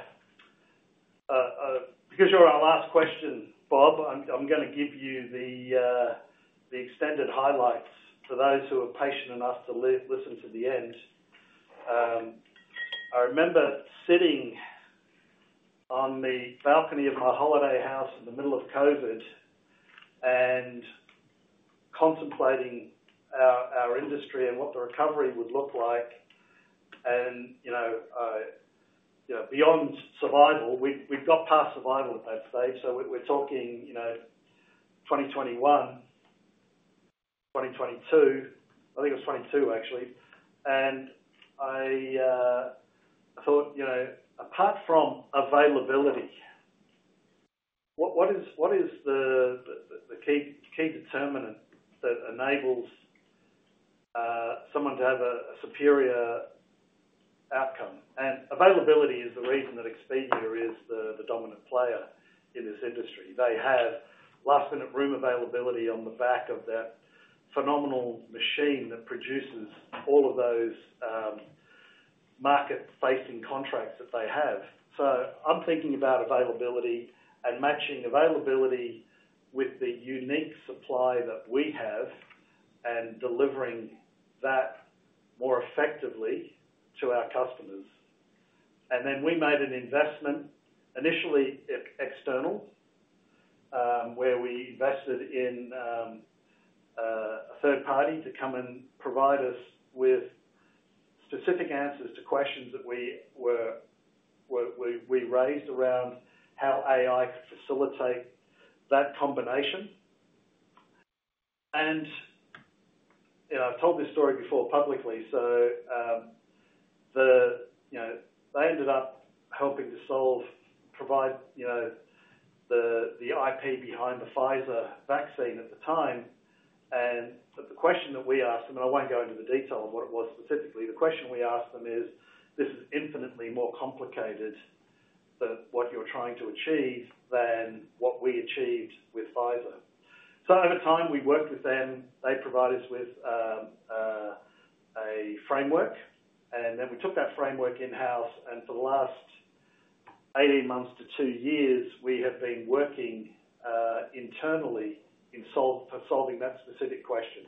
because you're our last question, Bob, I'm going to give you the extended highlights for those who are patient enough to listen to the end. I remember sitting on the balcony of my holiday house in the middle of COVID and contemplating our industry and what the recovery would look like. Beyond survival, we had got past survival at that stage. We were talking 2021, 2022. I think it was 2022, actually. I thought, apart from availability, what is the key determinant that enables someone to have a superior outcome? Availability is the reason that Expedia is the dominant player in this industry. They have last-minute room availability on the back of that phenomenal machine that produces all of those market-facing contracts that they have. I'm thinking about availability and matching availability with the unique supply that we have and delivering that more effectively to our customers. We made an investment, initially external, where we invested in a third party to come and provide us with specific answers to questions that we raised around how AI could facilitate that combination. I've told this story before publicly, so they ended up helping to solve, provide the IP behind the Pfizer vaccine at the time. The question that we asked them, and I won't go into the detail of what it was specifically, the question we asked them is, "This is infinitely more complicated than what you're trying to achieve than what we achieved with Pfizer." Over time, we worked with them. They provided us with a framework, and then we took that framework in-house. For the last 18 months to two years, we have been working internally in solving that specific question.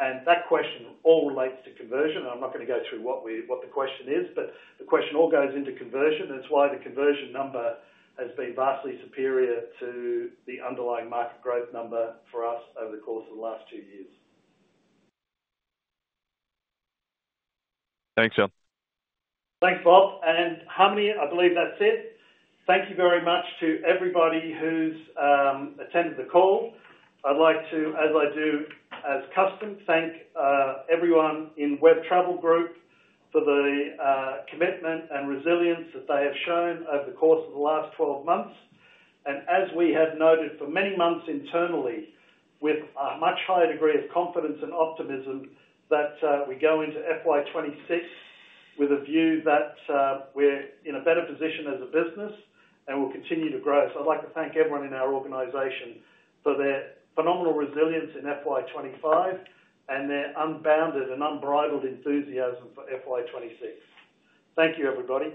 That question all relates to conversion. I'm not going to go through what the question is, but the question all goes into conversion, and it's why the conversion number has been vastly superior to the underlying market growth number for us over the course of the last two years. Thanks, John. Thanks, Bob. Harmony, I believe that's it. Thank you very much to everybody who's attended the call. I'd like to, as I do as custom, thank everyone in Web Travel Group for the commitment and resilience that they have shown over the course of the last 12 months. As we have noted for many months internally, with a much higher degree of confidence and optimism, we go into FY 2026 with a view that we're in a better position as a business and will continue to grow. I'd like to thank everyone in our organization for their phenomenal resilience in FY 2025 and their unbounded and unbridled enthusiasm for FY 2026. Thank you, everybody.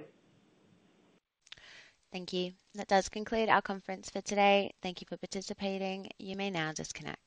Thank you. That does conclude our conference for today. Thank you for participating. You may now disconnect.